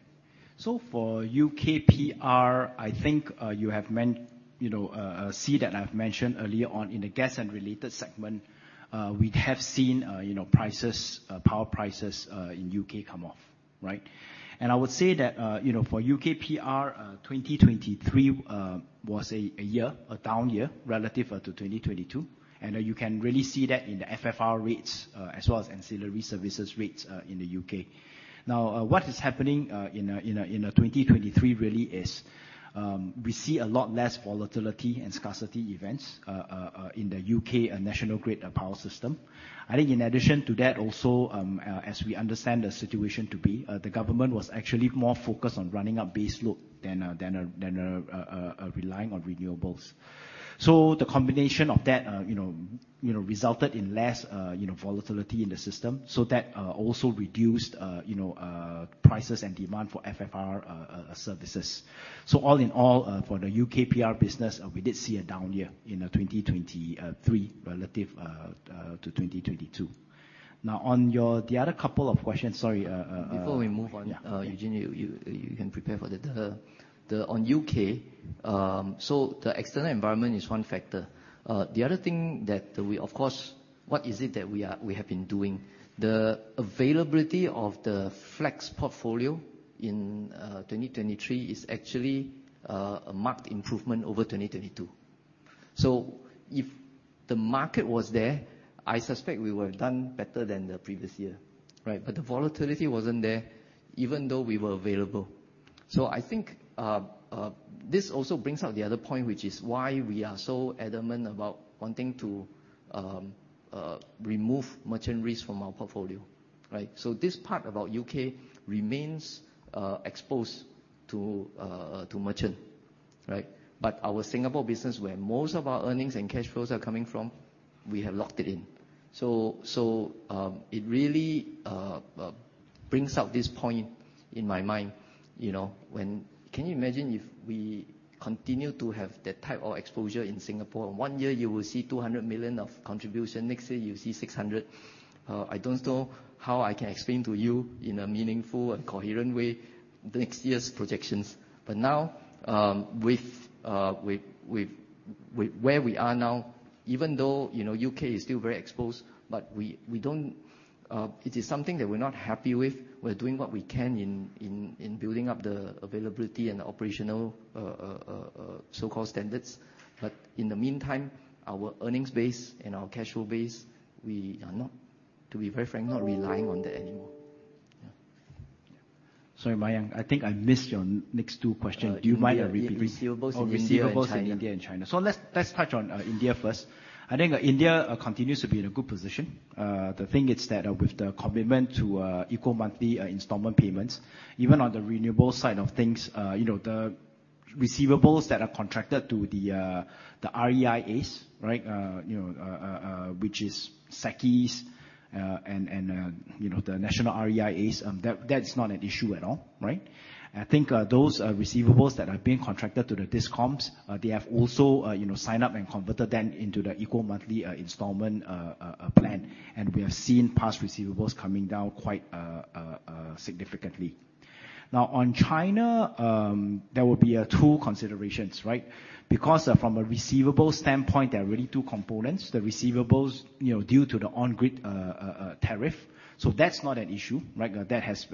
So for UKPR, I think you have seen the slide that I've mentioned earlier on in the gas and related segment, we have seen power prices in U.K. come off, right? And I would say that for UKPR, 2023 was a down year relative to 2022, and you can really see that in the FFR rates as well as ancillary services rates in the U.K. Now, what is happening in 2023 really is we see a lot less volatility and scarcity events in the U.K. national grid power system. I think in addition to that, also, as we understand the situation to be, the government was actually more focused on ramping up baseload than relying on renewables. So the combination of that resulted in less volatility in the system, so that also reduced prices and demand for FFR services. So all in all, for the UKPR business, we did see a down year in 2023 relative to 2022. Now, on the other couple of questions, sorry. Before we move on, Eugene, you can prepare for the on U.K., so the external environment is one factor. The other thing that we, of course, what is it that we have been doing? The availability of the flex portfolio in 2023 is actually a marked improvement over 2022. So if the market was there, I suspect we were done better than the previous year, right? But the volatility wasn't there even though we were available. So I think this also brings out the other point, which is why we are so adamant about wanting to remove merchant risk from our portfolio, right? So this part about U.K. remains exposed to merchant, right? But our Singapore business, where most of our earnings and cash flows are coming from, we have locked it in. So it really brings out this point in my mind. Can you imagine if we continue to have that type of exposure in Singapore? One year, you will see 200 million of contribution. Next year, you'll see 600 million. I don't know how I can explain to you in a meaningful and coherent way next year's projections. But now, with where we are now, even though U.K. is still very exposed, but we know it is something that we're not happy with. We're doing what we can in building up the availability and the operational so-called standards. But in the meantime, our earnings base and our cash flow base, we are not, to be very frank, not relying on that anymore. Sorry, Mayank. I think I missed your next two questions. Do you mind I repeat? Receivables in India and China. So let's touch on India first. I think India continues to be in a good position. The thing is that with the commitment to equal monthly installment payments, even on the renewable side of things, the receivables that are contracted to the REIAs, right, which is SECIs and the national REIAs, that's not an issue at all, right? I think those receivables that are being contracted to the Discoms, they have also signed up and converted them into the equal monthly installment plan. We have seen past receivables coming down quite significantly. Now, on China, there will be two considerations, right? Because from a receivable standpoint, there are really two components. The receivables due to the on-grid tariff. So that's not an issue, right? That has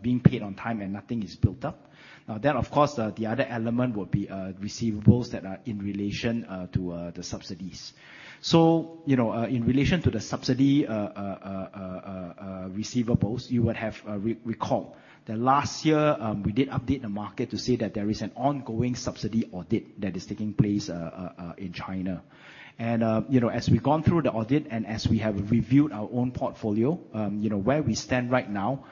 been paid on time and nothing is built up. Now, then, of course, the other element would be receivables that are in relation to the subsidies. So in relation to the subsidy receivables, you would have recalled that last year, we did update the market to say that there is an ongoing subsidy audit that is taking place in China. As we've gone through the audit and as we have reviewed our own portfolio, where we stand right now,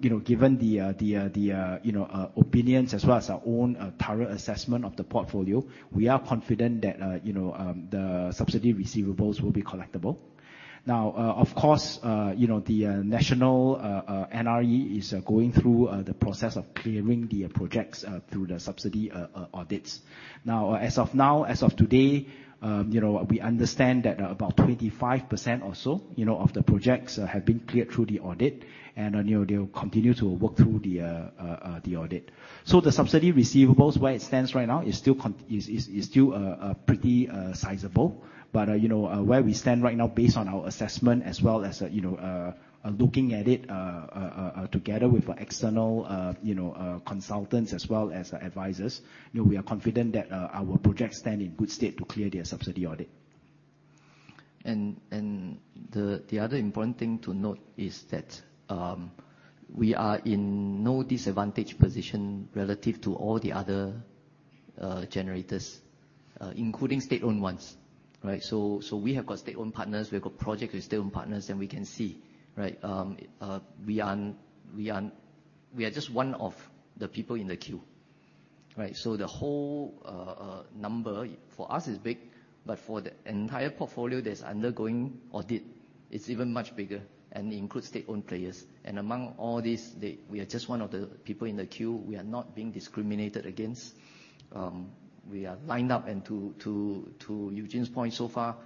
given the opinions as well as our own thorough assessment of the portfolio, we are confident that the subsidy receivables will be collectible. Now, of course, the national NRE is going through the process of clearing the projects through the subsidy audits. Now, as of now, as of today, we understand that about 25% or so of the projects have been cleared through the audit, and they'll continue to work through the audit. So the subsidy receivables, where it stands right now, is still pretty sizable. But where we stand right now, based on our assessment as well as looking at it together with external consultants as well as advisors, we are confident that our projects stand in good state to clear their subsidy audit. And the other important thing to note is that we are in no disadvantaged position relative to all the other generators, including state-owned ones, right? So we have got state-owned partners. We have got projects with state-owned partners, and we can see, right? We are just one of the people in the queue, right? So the whole number, for us, is big, but for the entire portfolio, there's undergoing audit. It's even much bigger and includes state-owned players. And among all this, we are just one of the people in the queue. We are not being discriminated against. We are lined up. And to Eugene's point so far,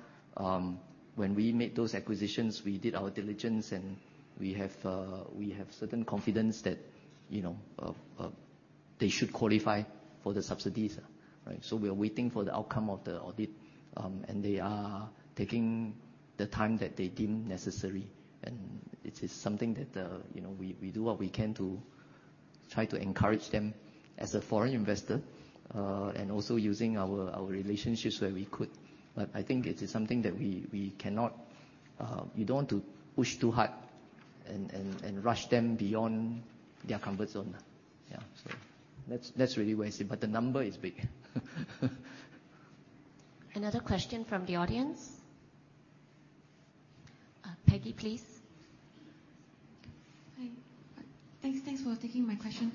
when we made those acquisitions, we did our diligence, and we have certain confidence that they should qualify for the subsidies, right? So we are waiting for the outcome of the audit, and they are taking the time that they deem necessary. And it is something that we do what we can to try to encourage them as a foreign investor and also using our relationships where we could. But I think it is something that we cannot you don't want to push too hard and rush them beyond their comfort zone. Yeah. So that's really where it's at. But the number is big. Another question from the audience? Peggy, please. Hi. Thanks for taking my question.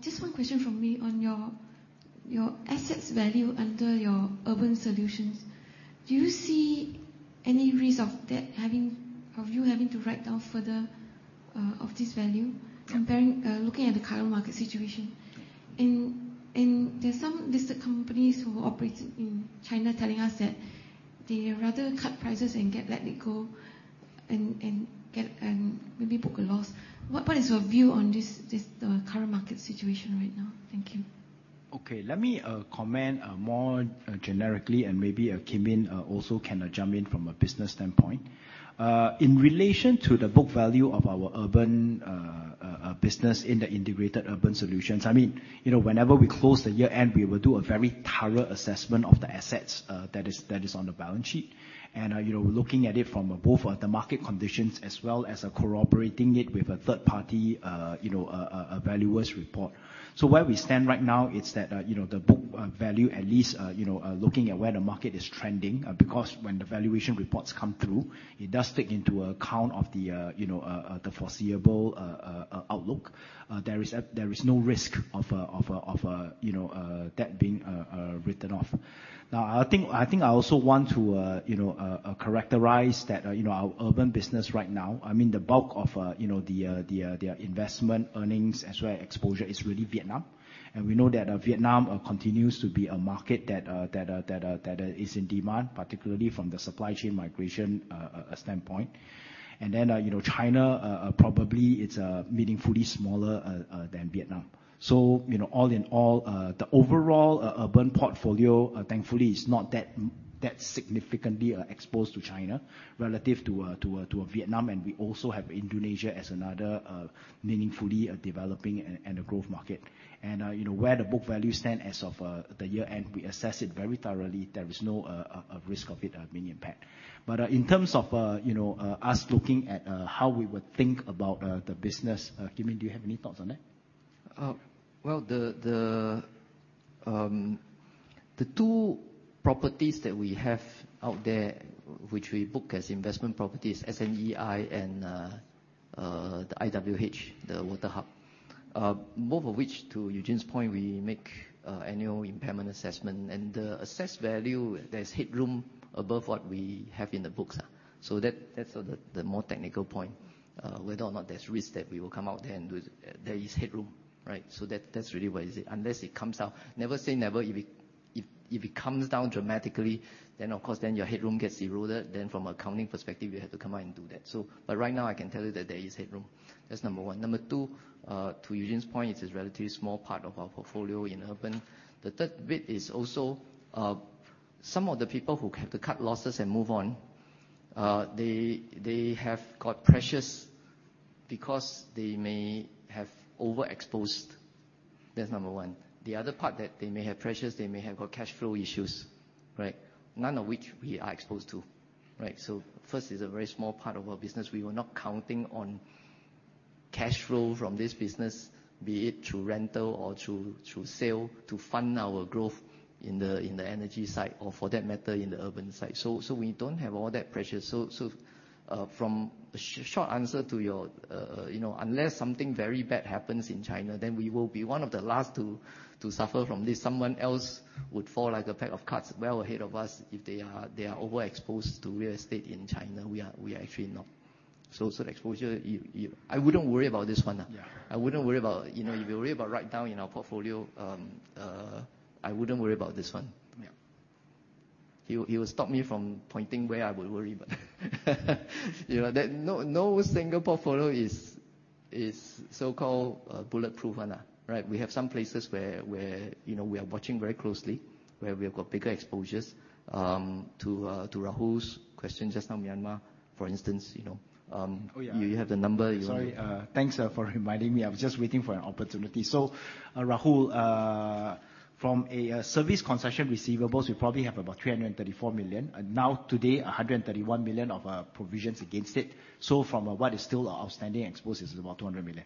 Just one question from me on your assets value under your urban solutions. Do you see any risk of you having to write down further of this value looking at the current market situation? And there are some listed companies who operate in China telling us that they rather cut prices and let it go and maybe book a loss. What is your view on the current market situation right now? Thank you. Okay. Let me comment more generically, and maybe Kim Yin also can jump in from a business standpoint. In relation to the book value of our urban business in the integrated urban solutions, I mean, whenever we close the year-end, we will do a very thorough assessment of the assets that is on the balance sheet. And we're looking at it from both the market conditions as well as corroborating it with a third-party valuer's report. So where we stand right now, it's that the book value, at least looking at where the market is trending, because when the valuation reports come through, it does take into account of the foreseeable outlook. There is no risk of debt being written off. Now, I think I also want to characterize that our urban business right now, I mean, the bulk of their investment earnings as well as exposure is really Vietnam. We know that Vietnam continues to be a market that is in demand, particularly from the supply chain migration standpoint. Then China, probably, is meaningfully smaller than Vietnam. So all in all, the overall urban portfolio, thankfully, is not that significantly exposed to China relative to Vietnam. We also have Indonesia as another meaningfully developing and a growth market. Where the book value stands as of the year end, we assess it very thoroughly. There is no risk of it being impacted. But in terms of us looking at how we would think about the business, Kim Yin, do you have any thoughts on that? Well, the two properties that we have out there, which we book as investment properties, SNEI and the IWH, the water hub, both of which, to Eugene's point, we make annual impairment assessment. The assessed value, there's headroom above what we have in the books. That's the more technical point. Whether or not there's risk that we will come out there and there is headroom, right? That's really what it is. Unless it comes down, never say never. If it comes down dramatically, then, of course, then your headroom gets eroded. From an accounting perspective, you have to come out and do that. But right now, I can tell you that there is headroom. That's number one. Number two, to Eugene's point, it's a relatively small part of our portfolio in urban. The third bit is also some of the people who have to cut losses and move on; they have got pressures because they may have overexposed. That's number one. The other part that they may have pressures, they may have got cash flow issues, right? None of which we are exposed to, right? So first is a very small part of our business. We were not counting on cash flow from this business, be it through rental or through sale, to fund our growth in the energy side or, for that matter, in the urban side. So we don't have all that pressure. So from a short answer to your unless something very bad happens in China, then we will be one of the last to suffer from this. Someone else would fall like a pack of cards well ahead of us if they are overexposed to real estate in China. We are actually not. So the exposure, I wouldn't worry about this one. I wouldn't worry about if you worry about write-down in our portfolio, I wouldn't worry about this one. He will stop me from pointing where I would worry, but no single portfolio is so-called bulletproof, right? We have some places where we are watching very closely, where we have got bigger exposures. To Rahul's question just now, Myanmar, for instance, you have the number. Sorry. Thanks for reminding me. I was just waiting for an opportunity. So Rahul, from a service concession receivables, we probably have about 334 million. Now, today, 131 million of provisions against it. So from what is still outstanding exposed, it's about 200 million.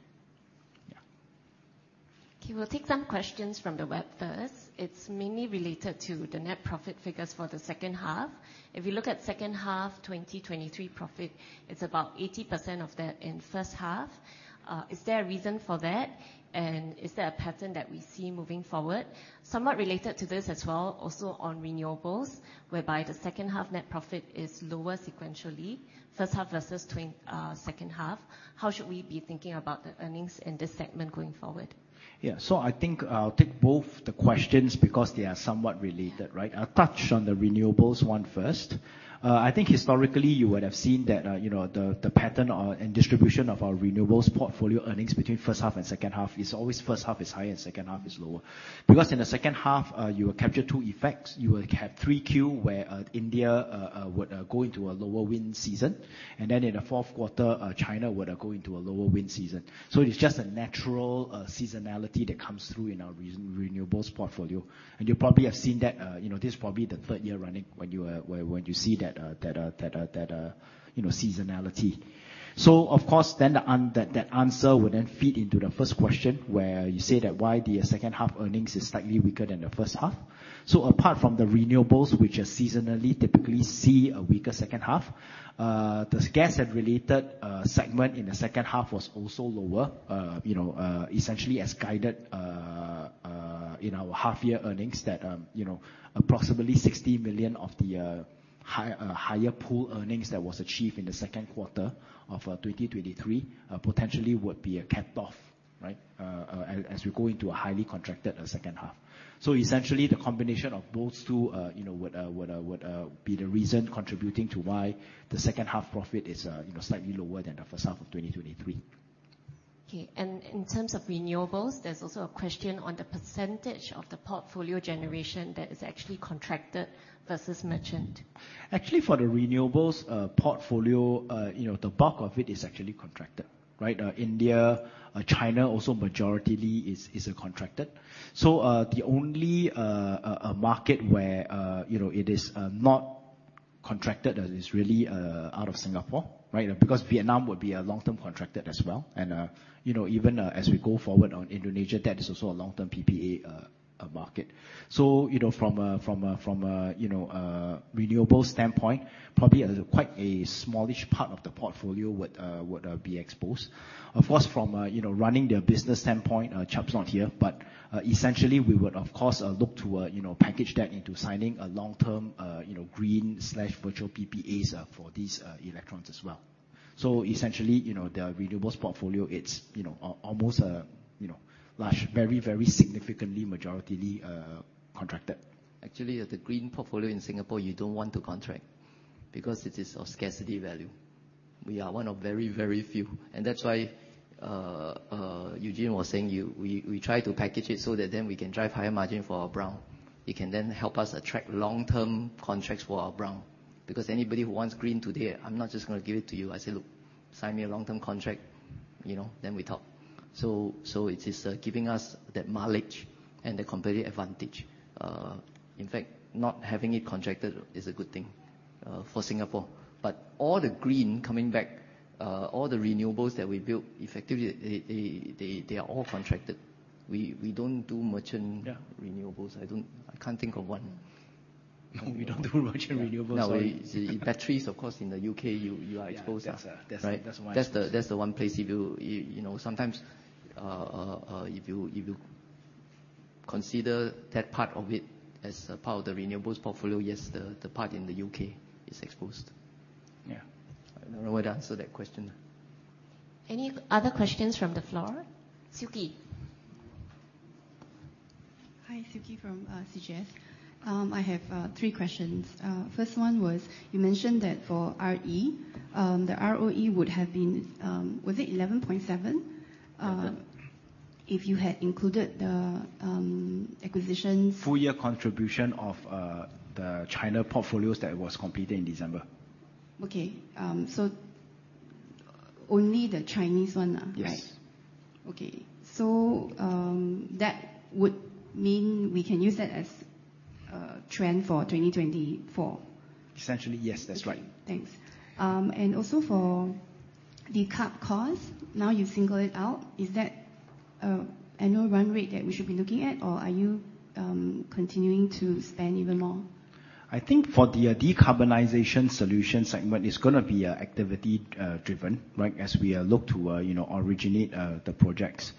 Yeah. Okay. We'll take some questions from the web first. It's mainly related to the net profit figures for the second half. If we look at second half 2023 profit, it's about 80% of that in first half. Is there a reason for that? And is there a pattern that we see moving forward? Somewhat related to this as well, also on renewables, whereby the second half net profit is lower sequentially, first half versus second half. How should we be thinking about the earnings in this segment going forward? Yeah. So I think I'll take both the questions because they are somewhat related, right? I'll touch on the renewables one first. I think historically, you would have seen that the pattern and distribution of our renewables portfolio earnings between first half and second half is always first half is higher and second half is lower. Because in the second half, you will capture two effects. You will have three Qs where India would go into a lower wind season. And then in the fourth quarter, China would go into a lower wind season. So it's just a natural seasonality that comes through in our renewables portfolio. You probably have seen that this is probably the third year running when you see that seasonality. So, of course, then that answer would then feed into the first question where you say that why the second half earnings is slightly weaker than the first half. So apart from the renewables, which are seasonally typically see a weaker second half, the gas-related segment in the second half was also lower, essentially as guided in our half-year earnings that approximately 60 million of the higher pool earnings that was achieved in the second quarter of 2023 potentially would be a cutoff, right, as we go into a highly contracted second half. So essentially, the combination of both two would be the reason contributing to why the second half profit is slightly lower than the first half of 2023. Okay. And in terms of renewables, there's also a question on the percentage of the portfolio generation that is actually contracted versus merchant. Actually, for the renewables portfolio, the bulk of it is actually contracted, right? India, China also majoritely is contracted. So the only market where it is not contracted is really out of Singapore, right, because Vietnam would be a long-term contracted as well. And even as we go forward on Indonesia, that is also a long-term PPA market. So from a renewables standpoint, probably quite a smallish part of the portfolio would be exposed. Of course, from running their business standpoint, Chiap's not here, but essentially, we would, of course, look to package that into signing a long-term green/virtual PPAs for these electrons as well. So essentially, their renewables portfolio, it's almost large, very, very significantly majoritely contracted. Actually, the green portfolio in Singapore, you don't want to contract because it is of scarcity value. We are one of very, very few. And that's why Eugene was saying we try to package it so that then we can drive higher margin for our brown. It can then help us attract long-term contracts for our brown. Because anybody who wants green today, I'm not just going to give it to you. I say, "Look, sign me a long-term contract." Then we talk. So it is giving us that mileage and the competitive advantage. In fact, not having it contracted is a good thing for Singapore. But all the green coming back, all the renewables that we build, effectively, they are all contracted. We don't do merchant renewables. I can't think of one. No, we don't do merchant renewables. No. Batteries, of course, in the U.K., you are exposed. That's why I say. That's the one place if you sometimes, if you consider that part of it as part of the renewables portfolio, yes, the part in the U.K. is exposed. Yeah. I don't know where to answer that question. Any other questions from the floor? Siew Khee. Hi, Siew Khee from CGS. I have three questions. First one was you mentioned that for RE, the ROE would have been was it 11.7% if you had included the acquisitions. Full-year contribution of the China portfolios that was completed in December. Okay. So only the Chinese one, right? Yes. Okay. So that would mean we can use that as a trend for 2024. Essentially, yes, that's right. Thanks. And also for the carbon cost, now you've singled it out, is that annual run rate that we should be looking at, or are you continuing to spend even more? I think for the decarbonization solution segment, it's going to be activity-driven, right, as we look to originate the projects.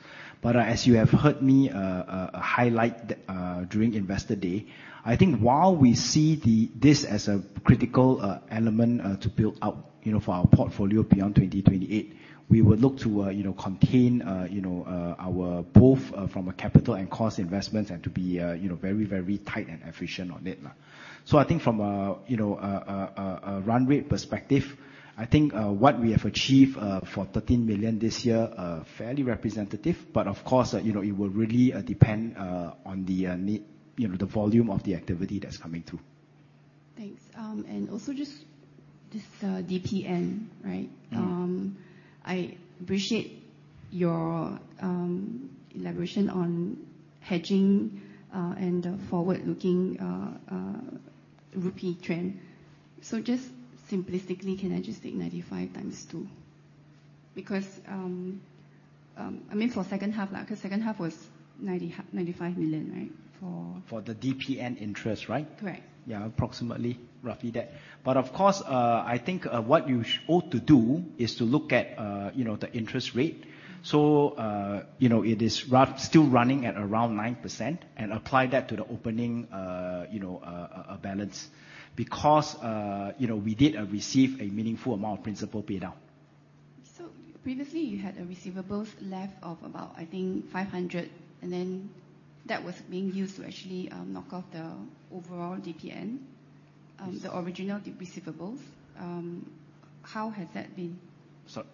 But as you have heard me highlight during investor day, I think while we see this as a critical element to build out for our portfolio beyond 2028, we would look to contain our both from a capital and cost investments and to be very, very tight and efficient on it. So I think from a run rate perspective, I think what we have achieved for 13 million this year is fairly representative. But of course, it will really depend on the volume of the activity that's coming through. Thanks. And also just DPN, right? I appreciate your elaboration on hedging and the forward-looking rupee trend. So just simplistically, can I just take 95 × 2? Because I mean, for second half because second half was 95 million, right, for. For the DPN interest, right? Correct. Yeah, approximately, roughly that. But of course, I think what you owe to do is to look at the interest rate. So it is still running at around 9% and apply that to the opening balance because we did receive a meaningful amount of principal paydown. So previously, you had a receivables left of about, I think, 500 million, and then that was being used to actually knock off the overall DPN, the original receivables. How has that been? Sorry.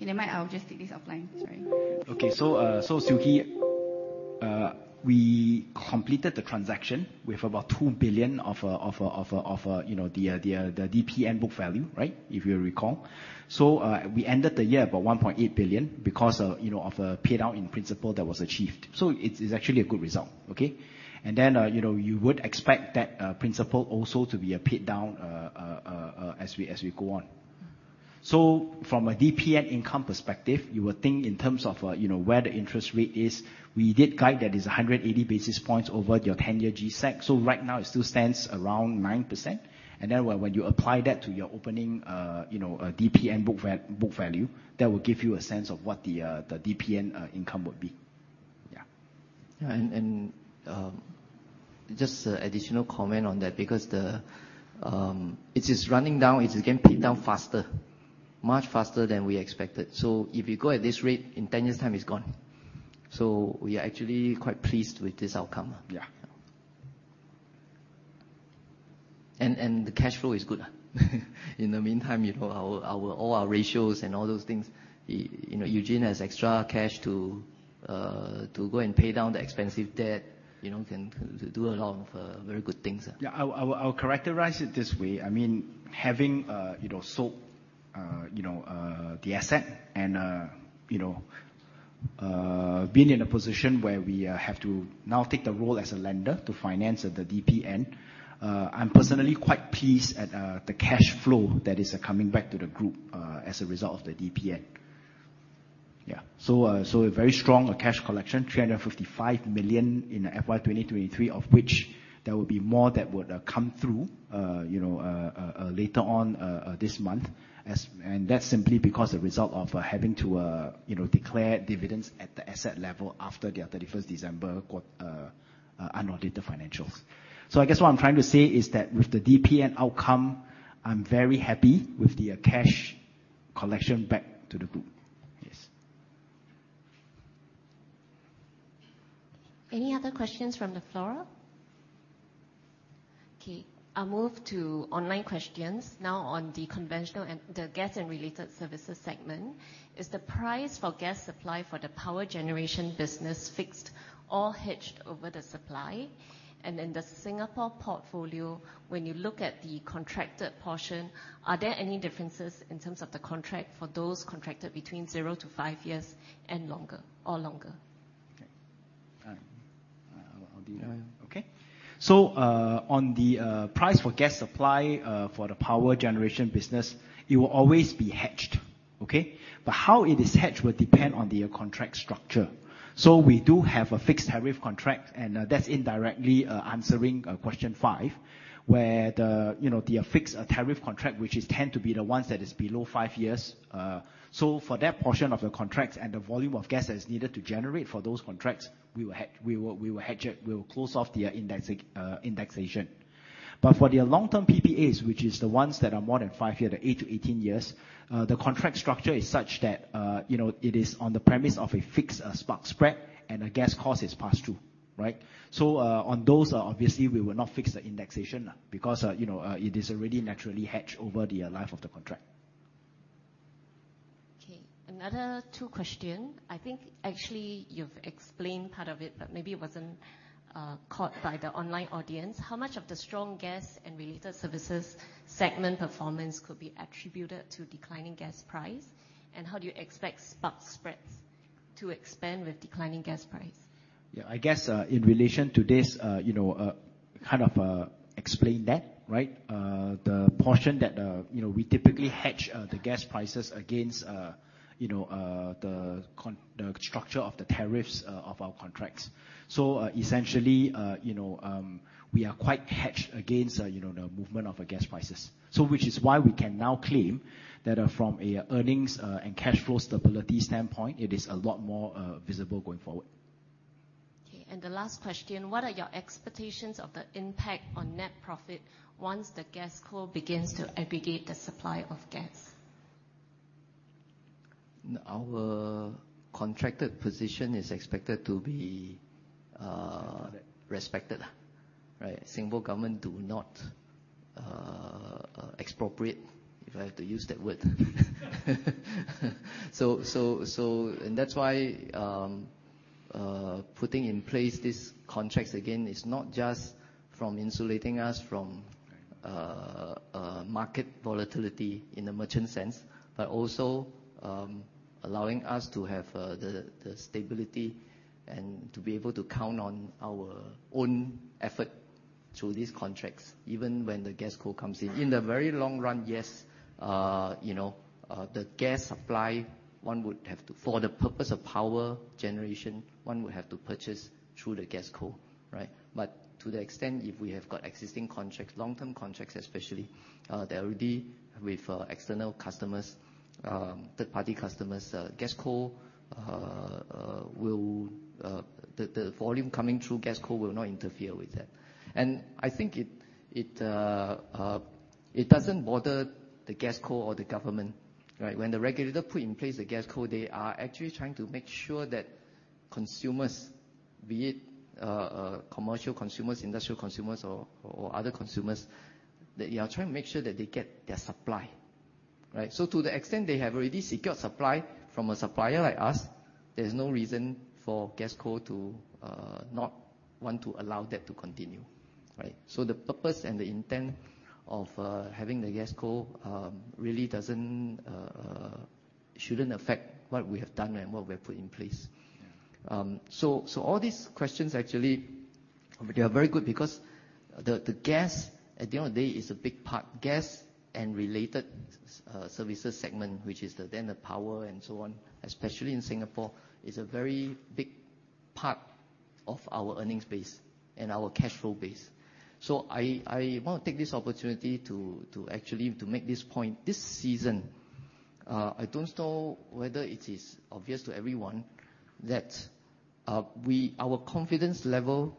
In a minute, I'll just take this offline. Sorry. Okay. So Siew Khee, we completed the transaction with about 2 billion of the DPN book value, right, if you recall. So we ended the year about 1.8 billion because of a paydown in principal that was achieved. So it's actually a good result, okay? And then you would expect that principal also to be a paydown as we go on. So from a DPN income perspective, you would think in terms of where the interest rate is, we did guide that it's 180 basis points over your 10-year G-Sec. So right now, it still stands around 9%. And then when you apply that to your opening DPN book value, that will give you a sense of what the DPN income would be. Yeah. Yeah. And just additional comment on that because it is running down. It is getting paid down faster, much faster than we expected. So if you go at this rate, in 10 years' time, it's gone. So we are actually quite pleased with this outcome. Yeah. And the cash flow is good. In the meantime, all our ratios and all those things, Eugene has extra cash to go and pay down the expensive debt, can do a lot of very good things. Yeah. I'll characterize it this way. I mean, having sold the asset and being in a position where we have to now take the role as a lender to finance the DPN, I'm personally quite pleased at the cash flow that is coming back to the group as a result of the DPN. Yeah. So a very strong cash collection, 355 million in FY 2023, of which there will be more that would come through later on this month. That's simply because a result of having to declare dividends at the asset level after the 31st December unaudited financials. So I guess what I'm trying to say is that with the DPN outcome, I'm very happy with the cash collection back to the group. Yes. Any other questions from the floor? Okay. I'll move to online questions. Now on the gas and related services segment, is the price for gas supply for the power generation business fixed or hedged over the supply? And in the Singapore portfolio, when you look at the contracted portion, are there any differences in terms of the contract for those contracted between zero to five years or longer? Okay. I'll do that. Okay. So on the price for gas supply for the power generation business, it will always be hedged, okay? But how it is hedged would depend on the contract structure. So we do have a fixed tariff contract, and that's indirectly answering question five where the fixed tariff contract, which tend to be the ones that is below five years. So for that portion of the contracts and the volume of gas that is needed to generate for those contracts, we will hedge it. We will close off the indexation. But for the long-term PPAs, which is the ones that are more than five years, the eight to 18 years, the contract structure is such that it is on the premise of a fixed spark spread, and a gas cost is passed through, right? So on those, obviously, we will not fix the indexation because it is already naturally hedged over the life of the contract. Okay. Another two questions. I think actually you've explained part of it, but maybe it wasn't caught by the online audience. How much of the strong gas and related services segment performance could be attributed to declining gas price? And how do you expect spark spreads to expand with declining gas price? Yeah. I guess in relation to this, kind of explain that, right? The portion that we typically hedge the gas prices against the structure of the tariffs of our contracts. So essentially, we are quite hedged against the movement of the gas prices, which is why we can now claim that from an earnings and cash flow stability standpoint, it is a lot more visible going forward. Okay. And the last question, what are your expectations of the impact on net profit once the Gasco begins to aggregate the supply of gas? Our contracted position is expected to be respected, right? Singapore government do not expropriate, if I have to use that word. And that's why putting in place these contracts again is not just from insulating us from market volatility in the merchant sense, but also allowing us to have the stability and to be able to count on our own effort through these contracts, even when the Gasco comes in. In the very long run, yes, the gas supply, one would have to for the purpose of power generation, one would have to purchase through the Gasco, right? But to the extent, if we have got existing contracts, long-term contracts especially, they're already with external customers, third-party customers, Gasco will the volume coming through Gasco will not interfere with that. And I think it doesn't bother the Gasco or the government, right? When the regulator put in place the Gasco, they are actually trying to make sure that consumers, be it commercial consumers, industrial consumers, or other consumers, they are trying to make sure that they get their supply, right? So to the extent they have already secured supply from a supplier like us, there's no reason for Gasco to not want to allow that to continue, right? So the purpose and the intent of having the Gasco really shouldn't affect what we have done and what we have put in place. So all these questions, actually, they are very good because the gas, at the end of the day, is a big part. Gas and related services segment, which is then the power and so on, especially in Singapore, is a very big part of our earnings base and our cash flow base. So I want to take this opportunity to actually make this point. This season, I don't know whether it is obvious to everyone that our confidence level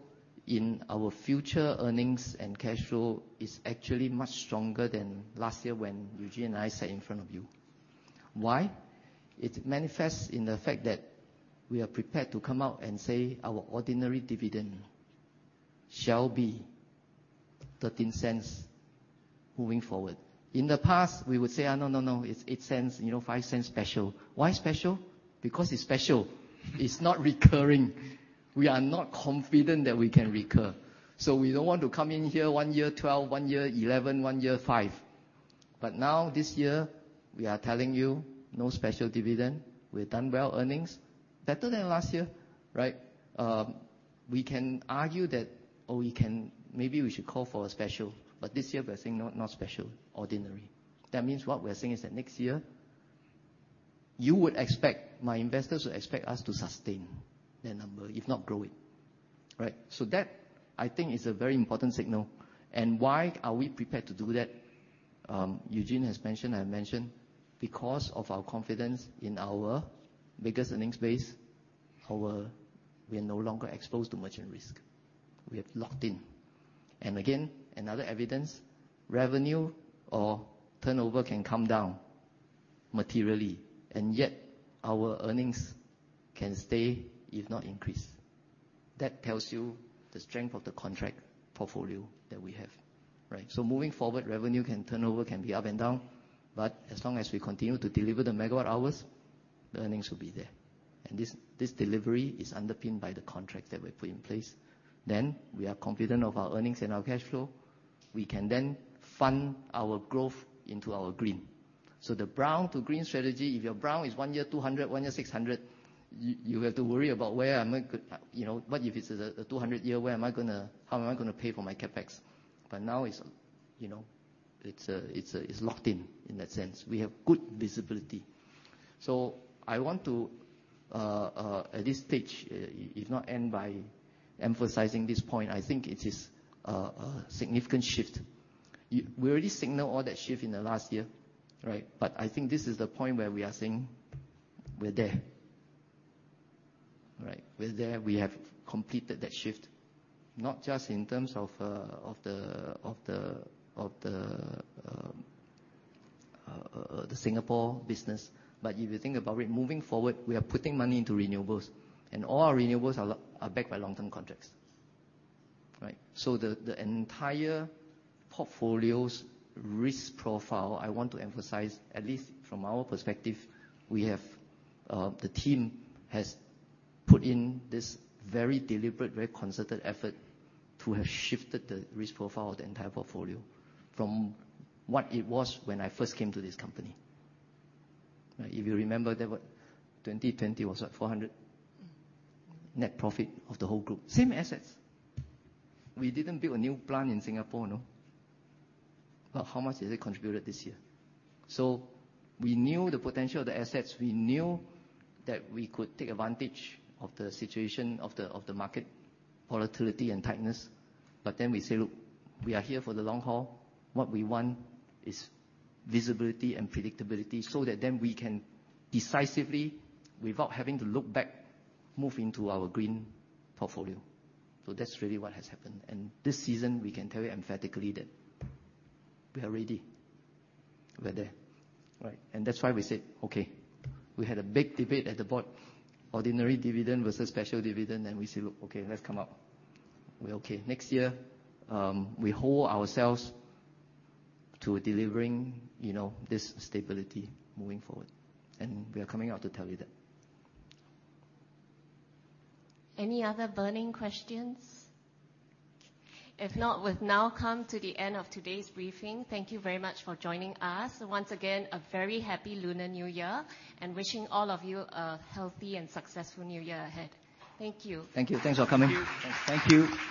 in our future earnings and cash flow is actually much stronger than last year when Eugene and I sat in front of you. Why? It manifests in the fact that we are prepared to come out and say our ordinary dividend shall be 0.13 moving forward. In the past, we would say, no, no, no. It's 0.08, 0.05 special. Why special? Because it's special. It's not recurring. We are not confident that we can recur. So we don't want to come in here one year, 0.12, one year, 0.11, one year, 0.05. But now, this year, we are telling you, "No special dividend. We've done well earnings." Better than last year, right? We can argue that, "Oh, maybe we should call for a special." But this year, we're saying, "Not special, ordinary." That means what we're saying is that next year, my investors would expect us to sustain that number, if not grow it, right? So that, I think, is a very important signal. And why are we prepared to do that? Eugene has mentioned, I have mentioned, because of our confidence in our biggest earnings base, we are no longer exposed to merchant risk. We have locked in. And again, another evidence, revenue or turnover can come down materially, and yet our earnings can stay, if not increase. That tells you the strength of the contract portfolio that we have, right? So moving forward, revenue can turn over, can be up and down, but as long as we continue to deliver the megawatt hours, the earnings will be there. This delivery is underpinned by the contract that we put in place. We are confident of our earnings and our cash flow. We can then fund our growth into our green. So the brown-to-green strategy, if your brown is one year 200, one year 600, you have to worry about where am I going to but if it's a 200-year, where am I going to how am I going to pay for my CapEx? But now, it's locked in in that sense. We have good visibility. So I want to, at this stage, if not end by emphasizing this point, I think it is a significant shift. We already signaled all that shift in the last year, right? I think this is the point where we are saying we're there, right? We're there. We have completed that shift, not just in terms of the Singapore business, but if you think about it, moving forward, we are putting money into renewables, and all our renewables are backed by long-term contracts, right? So the entire portfolio's risk profile, I want to emphasize, at least from our perspective, the team has put in this very deliberate, very concerted effort to have shifted the risk profile of the entire portfolio from what it was when I first came to this company, right? If you remember, 2020 was what? 400 million net profit of the whole group, same assets. We didn't build a new plant in Singapore, no. But how much is it contributed this year? So we knew the potential of the assets. We knew that we could take advantage of the situation of the market volatility and tightness. But then we say, "Look, we are here for the long haul. What we want is visibility and predictability so that then we can decisively, without having to look back, move into our green portfolio." So that's really what has happened. And this season, we can tell you emphatically that we are ready. We're there, right? And that's why we said, "Okay." We had a big debate at the board, ordinary dividend versus special dividend, and we said, "Look, okay, let's come out." We're okay. Next year, we hold ourselves to delivering this stability moving forward, and we are coming out to tell you that. Any other burning questions? If not, we've now come to the end of today's briefing. Thank you very much for joining us. Once again, a very happy Lunar New Year and wishing all of you a healthy and successful New Year ahead. Thank you. Thank you. Thanks for coming. Thank you. Thank you.